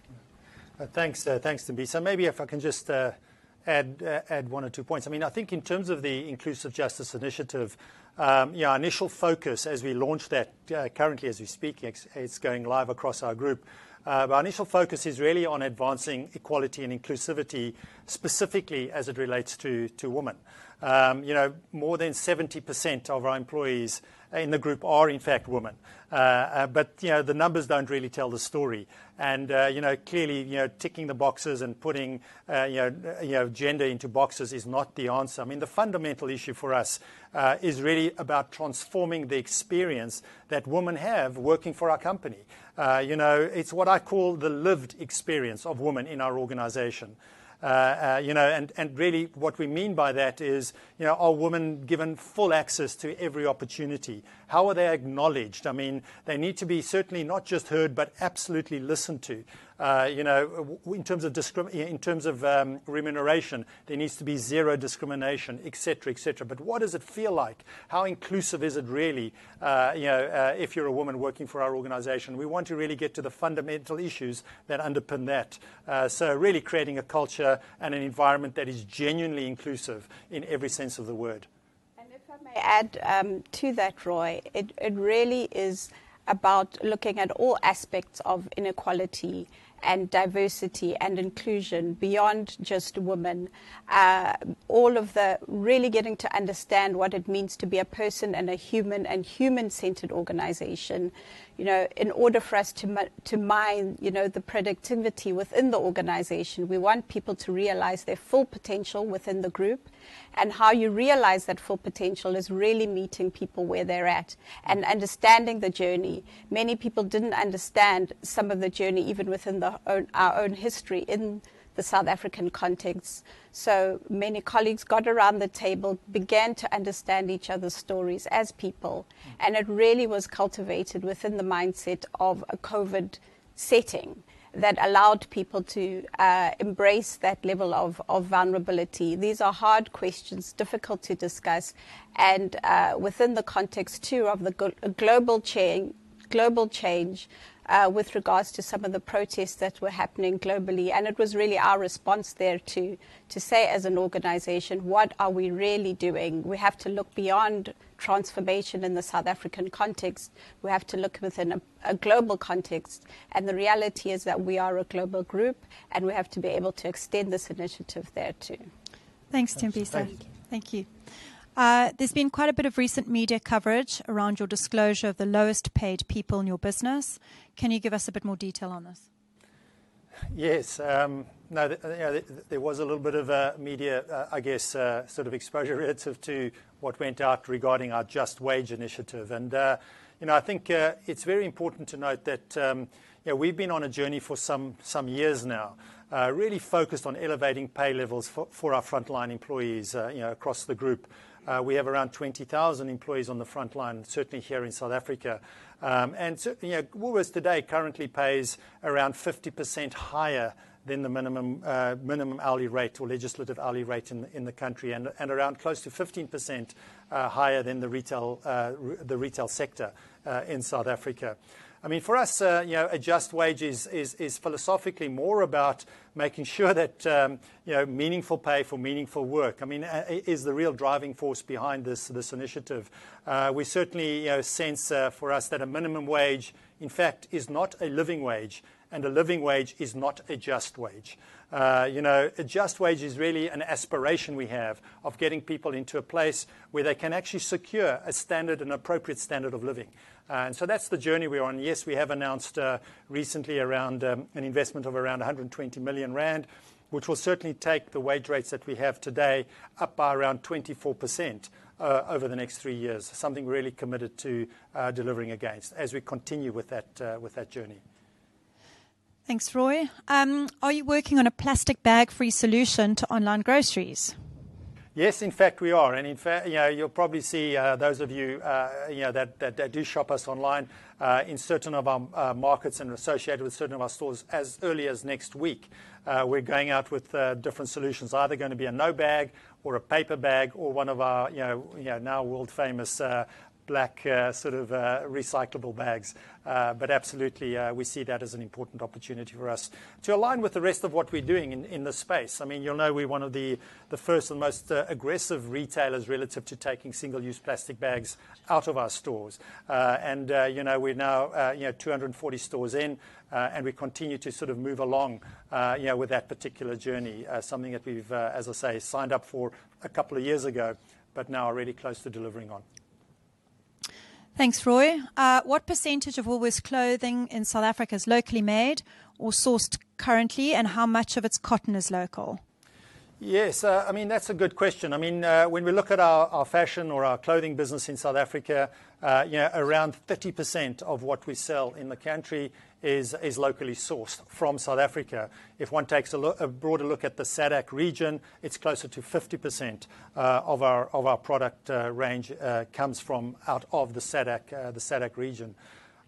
Thanks, Thembisa. Maybe if I can just add one or two points. I think in terms of the Inclusive Justice Initiative, our initial focus as we launch that, currently as we speak, it's going live across our group. Our initial focus is really on advancing equality and inclusivity, specifically as it relates to women. More than 70% of our employees in the group are, in fact, women. The numbers don't really tell the story. Clearly, ticking the boxes and putting gender into boxes is not the answer. The fundamental issue for us is really about transforming the experience that women have working for our company. It's what I call the lived experience of women in our organization. Really what we mean by that is, are women given full access to every opportunity? How are they acknowledged? They need to be certainly not just heard, but absolutely listened to. In terms of remuneration, there needs to be zero discrimination, et cetera. What does it feel like? How inclusive is it really if you're a woman working for our organization? We want to really get to the fundamental issues that underpin that. Really creating a culture and an environment that is genuinely inclusive in every sense of the word. If I may add to that, Roy, it really is about looking at all aspects of inequality and diversity and inclusion beyond just women. Really getting to understand what it means to be a person and a human and human-centered organization. In order for us to mine the productivity within the organization, we want people to realize their full potential within the group. How you realize that full potential is really meeting people where they're at and understanding the journey. Many people didn't understand some of the journey, even within our own history in the South African context. Many colleagues got around the table, began to understand each other's stories as people, and it really was cultivated within the mindset of a COVID setting that allowed people to embrace that level of vulnerability. These are hard questions, difficult to discuss, and within the context, too, of the global change with regards to some of the protests that were happening globally. It was really our response there to say as an organization, what are we really doing? We have to look beyond transformation in the South African context. We have to look within a global context. The reality is that we are a global group, and we have to be able to extend this initiative there, too. Thanks, Thembisa. Thank you. Thank you. There's been quite a bit of recent media coverage around your disclosure of the lowest-paid people in your business. Can you give us a bit more detail on this? Yes. There was a little bit of media, I guess, sort of exposure relative to what went out regarding our Just Wage initiative. I think it's very important to note that we've been on a journey for some years now, really focused on elevating pay levels for our frontline employees across the group. We have around 20,000 employees on the frontline, certainly here in South Africa. Woolworths today currently pays around 50% higher than the minimum hourly rate or legislative hourly rate in the country, and around close to 15% higher than the retail sector in South Africa. For us, a just wage is philosophically more about making sure that meaningful pay for meaningful work is the real driving force behind this initiative. We certainly sense for us that a minimum wage, in fact, is not a living wage, and a living wage is not a just wage. A Just Wage is really an aspiration we have of getting people into a place where they can actually secure a standard, an appropriate standard of living. That's the journey we are on. Yes, we have announced recently around an investment of around 120 million rand, which will certainly take the wage rates that we have today up by around 24% over the next three years. Something we're really committed to delivering against as we continue with that journey. Thanks, Roy. Are you working on a plastic bag-free solution to online groceries? Yes, in fact, we are. You'll probably see, those of you that do shop us online, in certain of our markets and associated with certain of our stores as early as next week. We're going out with different solutions, either going to be a no bag or a paper bag or 1 of our now world-famous black recyclable bags. Absolutely, we see that as an important opportunity for us to align with the rest of what we're doing in this space. You'll know we're one of the first and most aggressive retailers relative to taking single-use plastic bags out of our stores. We're now 240 stores in, and we continue to move along with that particular journey, something that we've, as I say, signed up for a couple of years ago, but now are really close to delivering on. Thanks, Roy. What % of Woolworths clothing in South Africa is locally made or sourced currently, and how much of its cotton is local? Yes, that's a good question. When we look at our fashion or our clothing business in South Africa, around 30% of what we sell in the country is locally sourced from South Africa. If one takes a broader look at the SADC region, it's closer to 50% of our product range comes from out of the SADC region.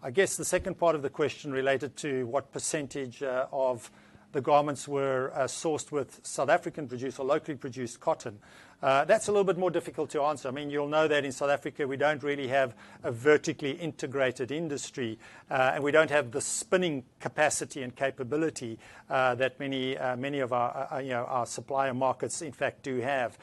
I guess the second part of the question related to what percentage of the garments were sourced with South African produced or locally produced cotton. That's a little bit more difficult to answer. You'll know that in South Africa, we don't really have a vertically integrated industry, and we don't have the spinning capacity and capability that many of our supplier markets, in fact, do have.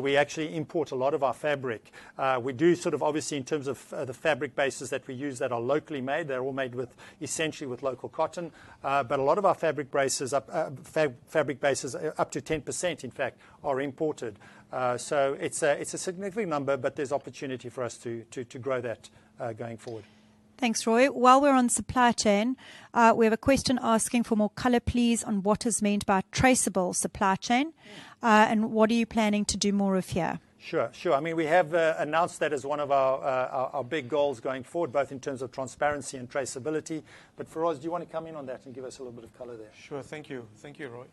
We actually import a lot of our fabric. We do, obviously, in terms of the fabric bases that we use that are locally made, they're all made essentially with local cotton. A lot of our fabric bases, up to 10%, in fact, are imported. It's a significant number, but there's opportunity for us to grow that going forward. Thanks, Roy. While we're on supply chain, we have a question asking for more color, please, on what is meant by traceable supply chain. What are you planning to do more of here? Sure. We have announced that as one of our big goals going forward, both in terms of transparency and traceability. Feroz, do you want to come in on that and give us a little bit of color there? Thank you, Roy.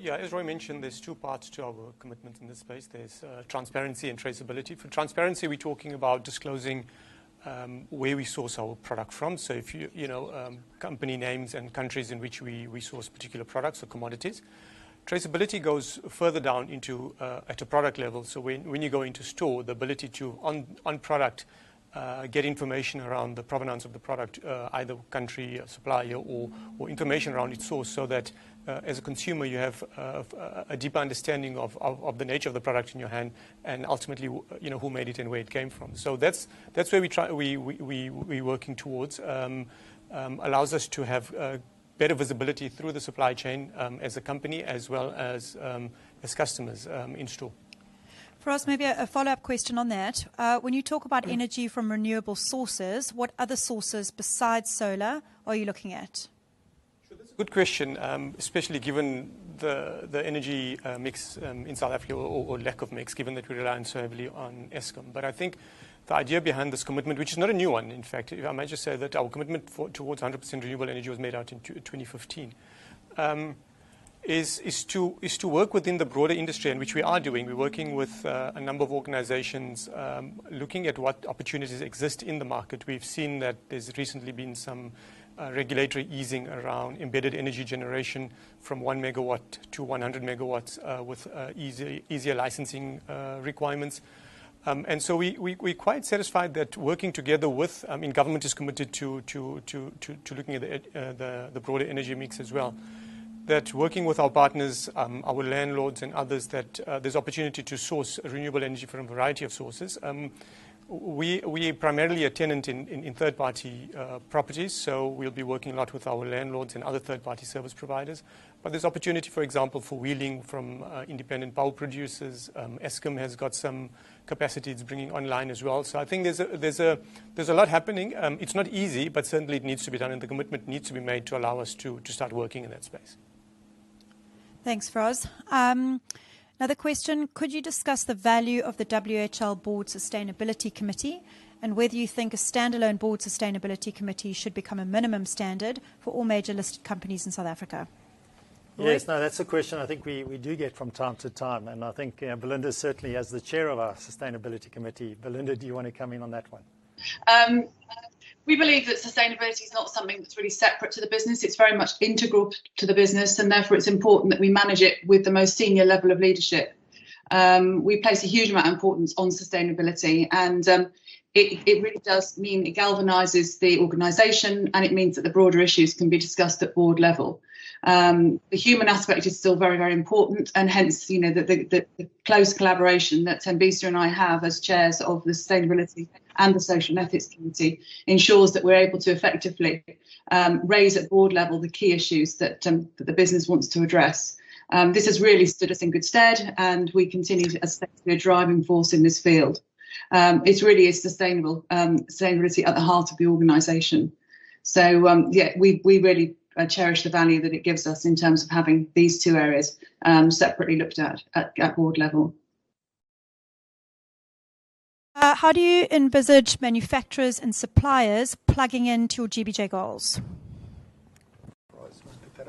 Yeah, as Roy mentioned, there's 2 parts to our commitment in this space. There's transparency and traceability. For transparency, we're talking about disclosing where we source our product from. If you know company names and countries in which we source particular products or commodities. Traceability goes further down at a product level. When you go into store, the ability to, on product, get information around the provenance of the product, either country, supplier, or information around its source, so that as a consumer, you have a deeper understanding of the nature of the product in your hand and ultimately who made it and where it came from. That's where we're working towards. It allows us to have better visibility through the supply chain as a company as well as customers in store. Feroz, maybe a follow-up question on that. When you talk about energy from renewable sources, what other sources besides solar are you looking at? Sure, that's a good question, especially given the energy mix in South Africa or lack of mix, given that we rely so heavily on Eskom. I think the idea behind this commitment, which is not a new one, in fact, if I might just say that our commitment towards 100% renewable energy was made out in 2015, is to work within the broader industry, and which we are doing. We're working with a number of organizations, looking at what opportunities exist in the market. We've seen that there's recently been some regulatory easing around embedded energy generation from 1 MW to 100 MW with easier licensing requirements. We're quite satisfied that working together with government is committed to looking at the broader energy mix as well. That working with our partners, our landlords, and others, that there's opportunity to source renewable energy from a variety of sources. We are primarily a tenant in third-party properties, so we'll be working a lot with our landlords and other third-party service providers. There's opportunity, for example, for wheeling from independent bulk producers. Eskom has got some capacity it's bringing online as well. I think there's a lot happening. It's not easy, but certainly it needs to be done, and the commitment needs to be made to allow us to start working in that space. Thanks, Feroz. Another question, could you discuss the value of the WHL board Sustainability Committee and whether you think a standalone board sustainability committee should become a minimum standard for all major listed companies in South Africa? Roy? Yes. No, that's a question I think we do get from time to time, and I think Belinda certainly as the Chair of our Sustainability Committee. Belinda, do you want to come in on that one? We believe that sustainability is not something that's really separate to the business. It's very much integral to the business, and therefore, it's important that we manage it with the most senior level of leadership. We place a huge amount of importance on sustainability, and it really does mean it galvanizes the organization, and it means that the broader issues can be discussed at board level. The human aspect is still very important, and hence, the close collaboration that Thembisa and I have as chairs of the Sustainability Committee and the Social and Ethics Committee ensures that we're able to effectively raise at board level the key issues that the business wants to address. This has really stood us in good stead, and we continue to assert a driving force in this field. It's really sustainability at the heart of the organization. yeah, we really cherish the value that it gives us in terms of having these two areas separately looked at board level. How do you envisage manufacturers and suppliers plugging into your GBJ goals?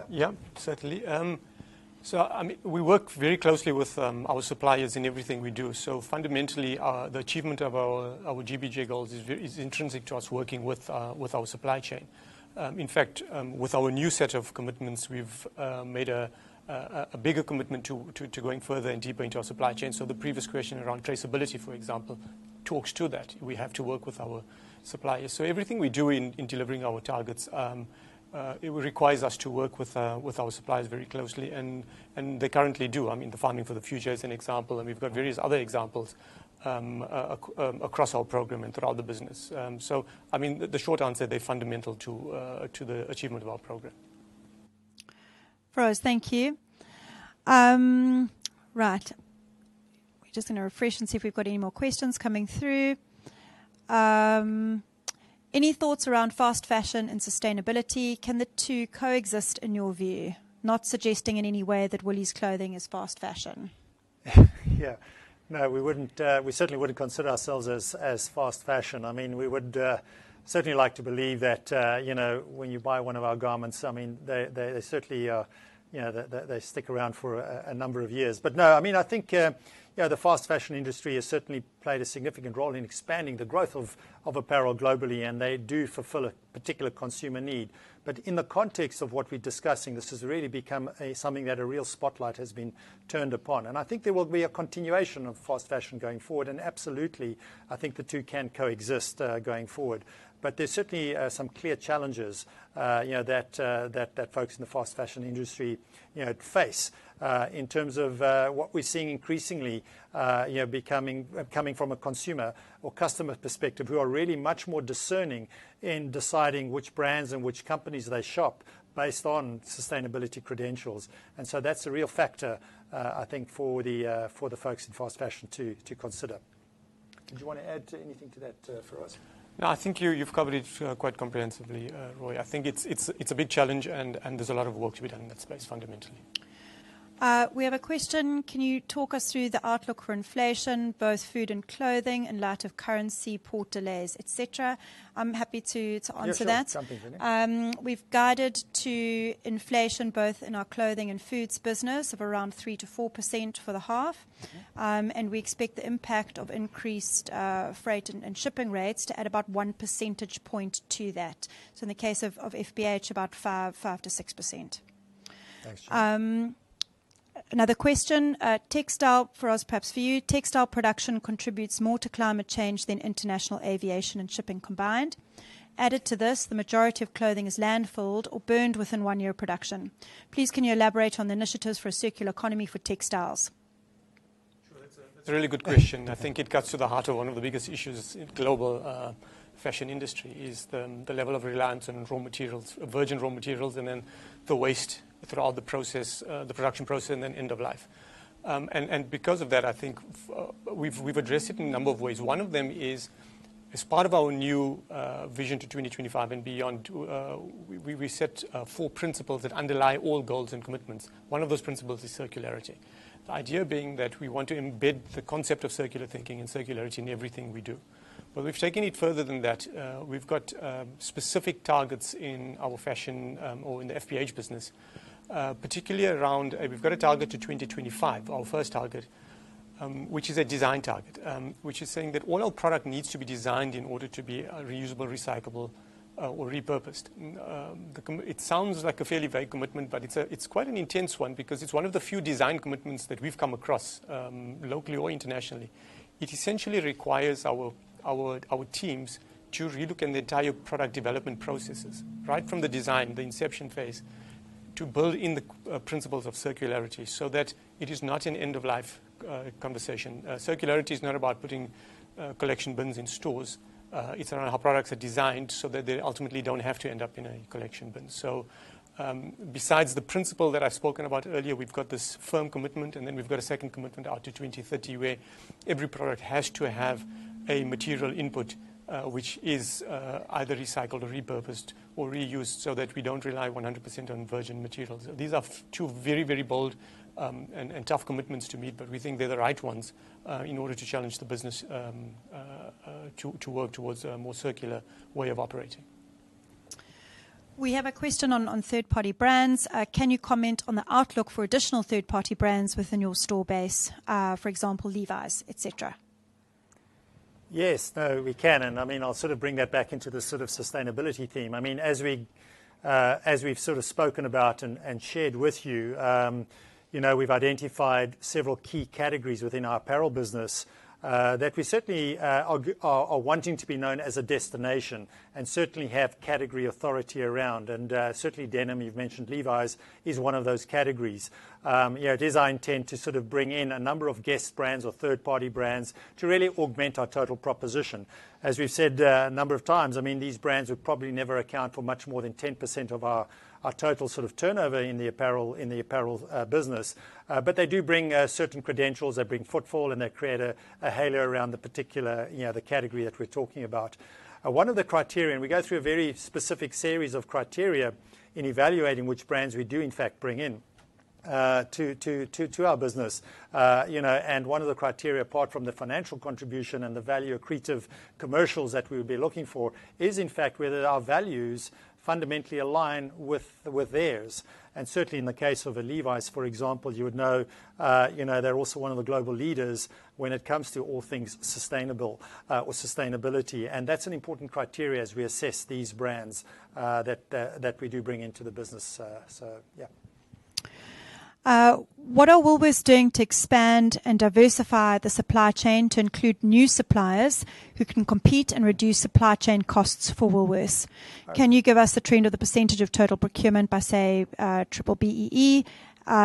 Yeah, certainly. We work very closely with our suppliers in everything we do. Fundamentally, the achievement of our Good Business Journey goals is intrinsic to us working with our supply chain. In fact, with our new set of commitments, we've made a bigger commitment to going further and deeper into our supply chain. The previous question around traceability, for example, talks to that. We have to work with our suppliers. Everything we do in delivering our targets, it requires us to work with our suppliers very closely. They currently do. The Farming for the Future is an example, we've got various other examples across our program and throughout the business. The short answer, they're fundamental to the achievement of our program. Feroz, thank you. Right. We're just going to refresh and see if we've got any more questions coming through. Any thoughts around fast fashion and sustainability? Can the two coexist in your view? Not suggesting in any way that Woolies clothing is fast fashion. No, we certainly wouldn't consider ourselves as fast fashion. We would certainly like to believe that when you buy one of our garments, they certainly stick around for a number of years. No, I think the fast fashion industry has certainly played a significant role in expanding the growth of apparel globally, and they do fulfill a particular consumer need. In the context of what we're discussing, this has really become something that a real spotlight has been turned upon. I think there will be a continuation of fast fashion going forward. Absolutely, I think the two can coexist going forward. There's certainly some clear challenges that folks in the fast fashion industry face. In terms of what we're seeing increasingly, coming from a consumer or customer perspective, who are really much more discerning in deciding which brands and which companies they shop based on sustainability credentials. That's a real factor, I think, for the folks in fast fashion to consider. Did you want to add anything to that, Feroz? No, I think you've covered it quite comprehensively, Roy. I think it's a big challenge, and there's a lot of work to be done in that space fundamentally. We have a question. Can you talk us through the outlook for inflation, both food and clothing, in light of currency port delays, et cetera? I'm happy to answer that. Yeah, sure. Jump in, Jenny. We've guided to inflation both in our clothing and foods business of around 3%-4% for the half. Yeah. We expect the impact of increased freight and shipping rates to add about 1 percentage point to that. In the case of FBH, about 5%-6%. Thanks, Jenny. Another question. Feroz, perhaps for you. Textile production contributes more to climate change than international aviation and shipping combined. Added to this, the majority of clothing is landfilled or burned within one year of production. Please can you elaborate on the initiatives for a circular economy for textiles? Sure, that's a really good question. I think it cuts to the heart of one of the biggest issues in global fashion industry is the level of reliance on raw materials, virgin raw materials, and then the waste throughout the process, the production process and then end of life. Because of that, I think we've addressed it in a number of ways. One of them is, as part of our new Vision to 2025 and beyond, we set 4 principles that underlie all goals and commitments. One of those principles is circularity. The idea being that we want to embed the concept of circular thinking and circularity in everything we do. We've taken it further than that. We've got specific targets in our fashion or in the FBH business. Particularly around, we've got a target to 2025, our first target, which is a design target. Which is saying that all our product needs to be designed in order to be reusable, recyclable, or repurposed. It sounds like a fairly vague commitment, but it's quite an intense one because it's one of the few design commitments that we've come across, locally or internationally. It essentially requires our teams to re-look at the entire product development processes, right from the design, the inception phase, to build in the principles of circularity so that it is not an end-of-life conversation. Circularity is not about putting collection bins in stores. It's around how products are designed so that they ultimately don't have to end up in a collection bin. Besides the principle that I've spoken about earlier, we've got this firm commitment, and then we've got a second commitment out to 2030, where every product has to have a material input, which is either recycled or repurposed or reused so that we don't rely 100% on virgin materials. These are two very bold and tough commitments to meet, but we think they're the right ones in order to challenge the business to work towards a more circular way of operating. We have a question on third-party brands. Can you comment on the outlook for additional third-party brands within your store base? For example, Levi's, et cetera. Yes. No, we can, and I'll sort of bring that back into the sort of sustainability theme. As we've sort of spoken about and shared with you, we've identified several key categories within our apparel business that we certainly are wanting to be known as a destination and certainly have category authority around. Certainly denim, you've mentioned Levi's, is one of those categories. It is our intent to sort of bring in a number of guest brands or third-party brands to really augment our total proposition. As we've said a number of times, these brands would probably never account for much more than 10% of our total sort of turnover in the apparel business. They do bring certain credentials. They bring footfall, and they create a halo around the particular category that we're talking about. One of the criteria, we go through a very specific series of criteria in evaluating which brands we do in fact bring into our business. One of the criteria, apart from the financial contribution and the value accretive commercials that we would be looking for, is in fact whether our values fundamentally align with theirs. Certainly in the case of Levi's, for example, you would know they're also one of the global leaders when it comes to all things sustainable or sustainability, and that's an important criteria as we assess these brands that we do bring into the business. Yeah. What are Woolworths doing to expand and diversify the supply chain to include new suppliers who can compete and reduce supply chain costs for Woolworths? Right. Can you give us the trend of the percentage of total procurement by, say, B-BBEE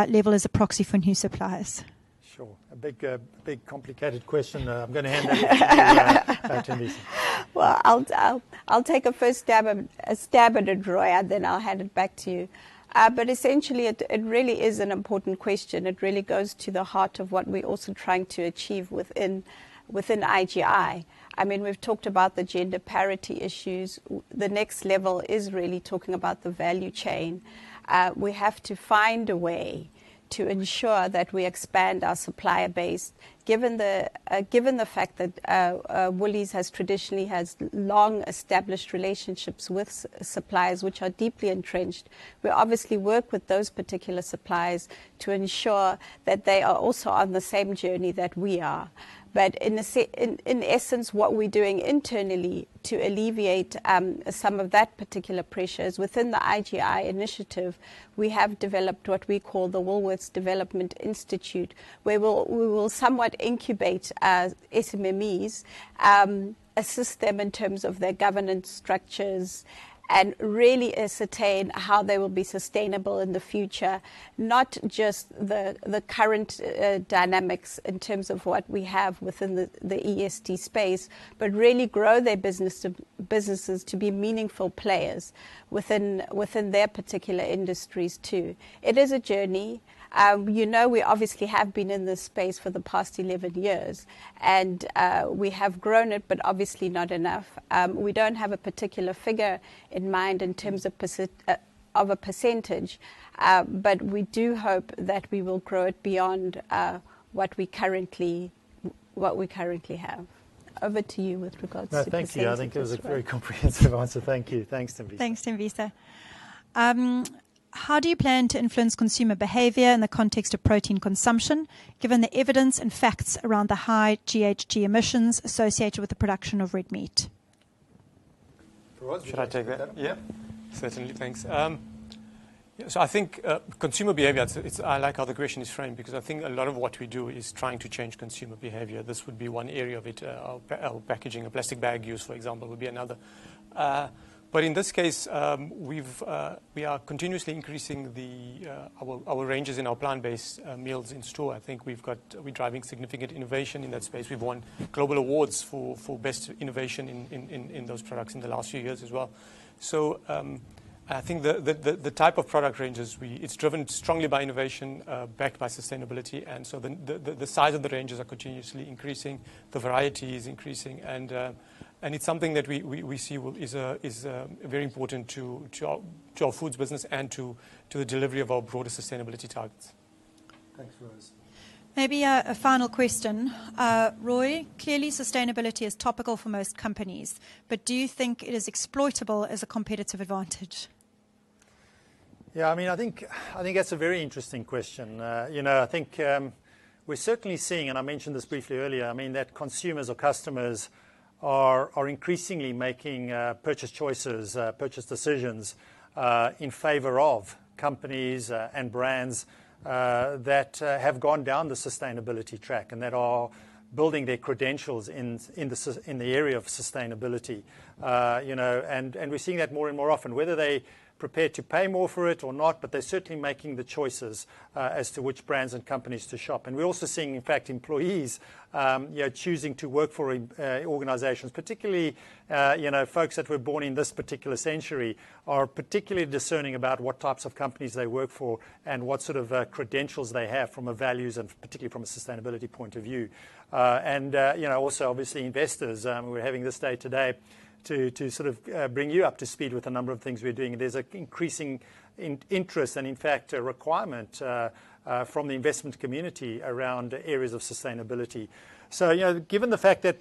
level as a proxy for new suppliers? Sure. A big, complicated question. I'm going to hand that to Thembisa. Well, I'll take a first stab at it, Roy, and then I'll hand it back to you. Essentially, it really is an important question. It really goes to the heart of what we're also trying to achieve within IGI. We've talked about the gender parity issues. The next level is really talking about the value chain. We have to find a way to ensure that we expand our supplier base, given the fact that Woolies traditionally has long-established relationships with suppliers, which are deeply entrenched. We obviously work with those particular suppliers to ensure that they are also on the same journey that we are. In essence, what we're doing internally to alleviate some of that particular pressure is within the IGI initiative, we have developed what we call the Woolworths Development Institute, where we will somewhat incubate SMMEs, assist them in terms of their governance structures, and really ascertain how they will be sustainable in the future. Not just the current dynamics in terms of what we have within the ESD space, really grow their businesses to be meaningful players within their particular industries, too. It is a journey. We obviously have been in this space for the past 11 years, we have grown it, obviously not enough. We don't have a particular figure in mind in terms of a %, we do hope that we will grow it beyond what we currently have. Over to you with regards to %, Roy. No, thank you. I think that was a very comprehensive answer. Thank you. Thanks, Thembisa. Thanks, Thembisa. How do you plan to influence consumer behavior in the context of protein consumption, given the evidence and facts around the high GHG emissions associated with the production of red meat? Feroz, do you want to take that? Should I take that? Yeah. Certainly. Thanks. I think consumer behavior, I like how the question is framed because I think a lot of what we do is trying to change consumer behavior. This would be one area of it, or packaging or plastic bag use, for example, would be another. In this case, we are continuously increasing our ranges in our plant-based meals in store. I think we're driving significant innovation in that space. We've won global awards for best innovation in those products in the last few years as well. I think the type of product ranges, it's driven strongly by innovation, backed by sustainability, and so the size of the ranges are continuously increasing. The variety is increasing, and it's something that we see is very important to our foods business and to the delivery of our broader sustainability targets. Thanks, Feroz. Maybe a final question. Roy, clearly sustainability is topical for most companies, but do you think it is exploitable as a competitive advantage? Yeah, I think that's a very interesting question. I think we're certainly seeing, and I mentioned this briefly earlier, that consumers or customers are increasingly making purchase choices, purchase decisions, in favor of companies and brands that have gone down the sustainability track and that are building their credentials in the area of sustainability. We're seeing that more and more often. Whether they're prepared to pay more for it or not, but they're certainly making the choices as to which brands and companies to shop. We're also seeing, in fact, employees choosing to work for organizations, particularly folks that were born in this particular century are particularly discerning about what types of companies they work for and what sort of credentials they have from a values and particularly from a sustainability point of view. Also obviously investors, we're having this day today to sort of bring you up to speed with a number of things we're doing. There's an increasing interest and, in fact, a requirement from the investment community around areas of sustainability. Given the fact that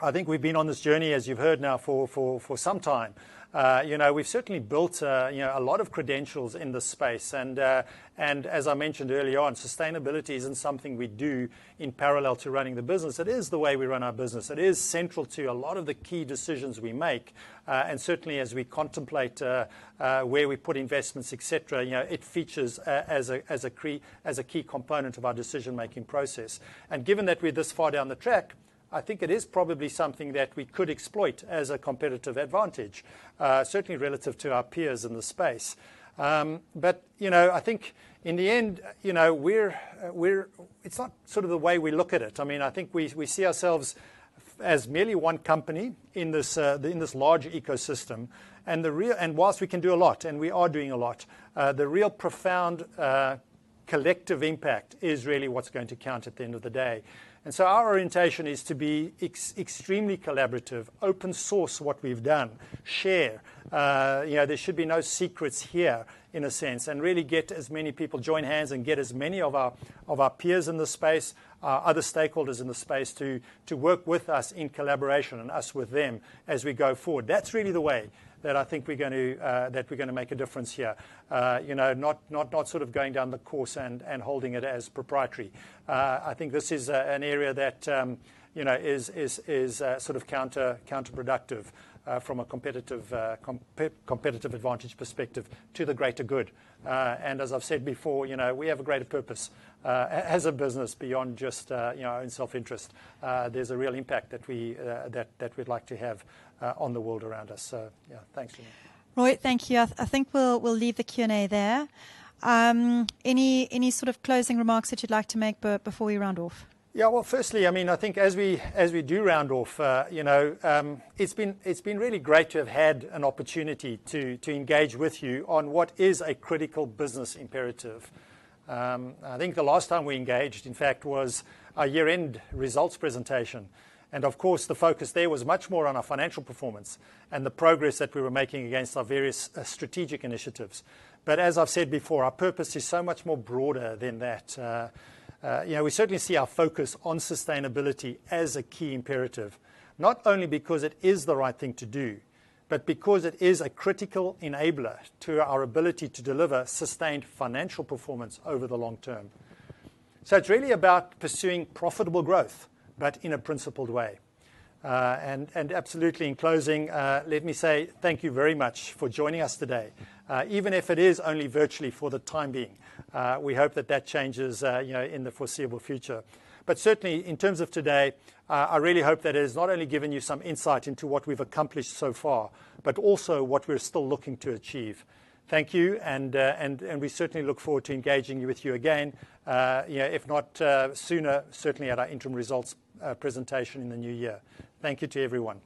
I think we've been on this journey, as you've heard now for some time. We've certainly built a lot of credentials in this space. As I mentioned early on, sustainability isn't something we do in parallel to running the business. It is the way we run our business. It is central to a lot of the key decisions we make, and certainly as we contemplate where we put investments, et cetera, it features as a key component of our decision-making process. Given that we're this far down the track, I think it is probably something that we could exploit as a competitive advantage, certainly relative to our peers in the space. I think in the end, it's not sort of the way we look at it. I think we see ourselves as merely one company in this large ecosystem. Whilst we can do a lot, and we are doing a lot, the real profound collective impact is really what's going to count at the end of the day. Our orientation is to be extremely collaborative, open source what we've done, share, there should be no secrets here, in a sense, and really get as many people join hands and get as many of our peers in this space, other stakeholders in the space to work with us in collaboration and us with them as we go forward. That's really the way that I think we're going to make a difference here. Not going down the course and holding it as proprietary. I think this is an area that is counterproductive from a competitive advantage perspective to the greater good. As I've said before, we have a greater purpose as a business beyond just our own self-interest. There's a real impact that we'd like to have on the world around us. Yeah, thanks, Jeanine. Roy, thank you. I think we'll leave the Q&A there. Any closing remarks that you'd like to make before we round off? Yeah. Well, firstly, I think as we do round off, it's been really great to have had an opportunity to engage with you on what is a critical business imperative. I think the last time we engaged, in fact, was our year-end results presentation. Of course, the focus there was much more on our financial performance and the progress that we were making against our various strategic initiatives. As I've said before, our purpose is so much more broader than that. We certainly see our focus on sustainability as a key imperative. Not only because it is the right thing to do, but because it is a critical enabler to our ability to deliver sustained financial performance over the long term. It's really about pursuing profitable growth, but in a principled way. Absolutely in closing, let me say thank you very much for joining us today. Even if it is only virtually for the time being. We hope that that changes in the foreseeable future. Certainly in terms of today, I really hope that it has not only given you some insight into what we’ve accomplished so far, but also what we’re still looking to achieve. Thank you. We certainly look forward to engaging with you again, if not sooner, certainly at our interim results presentation in the new year. Thank you to everyone.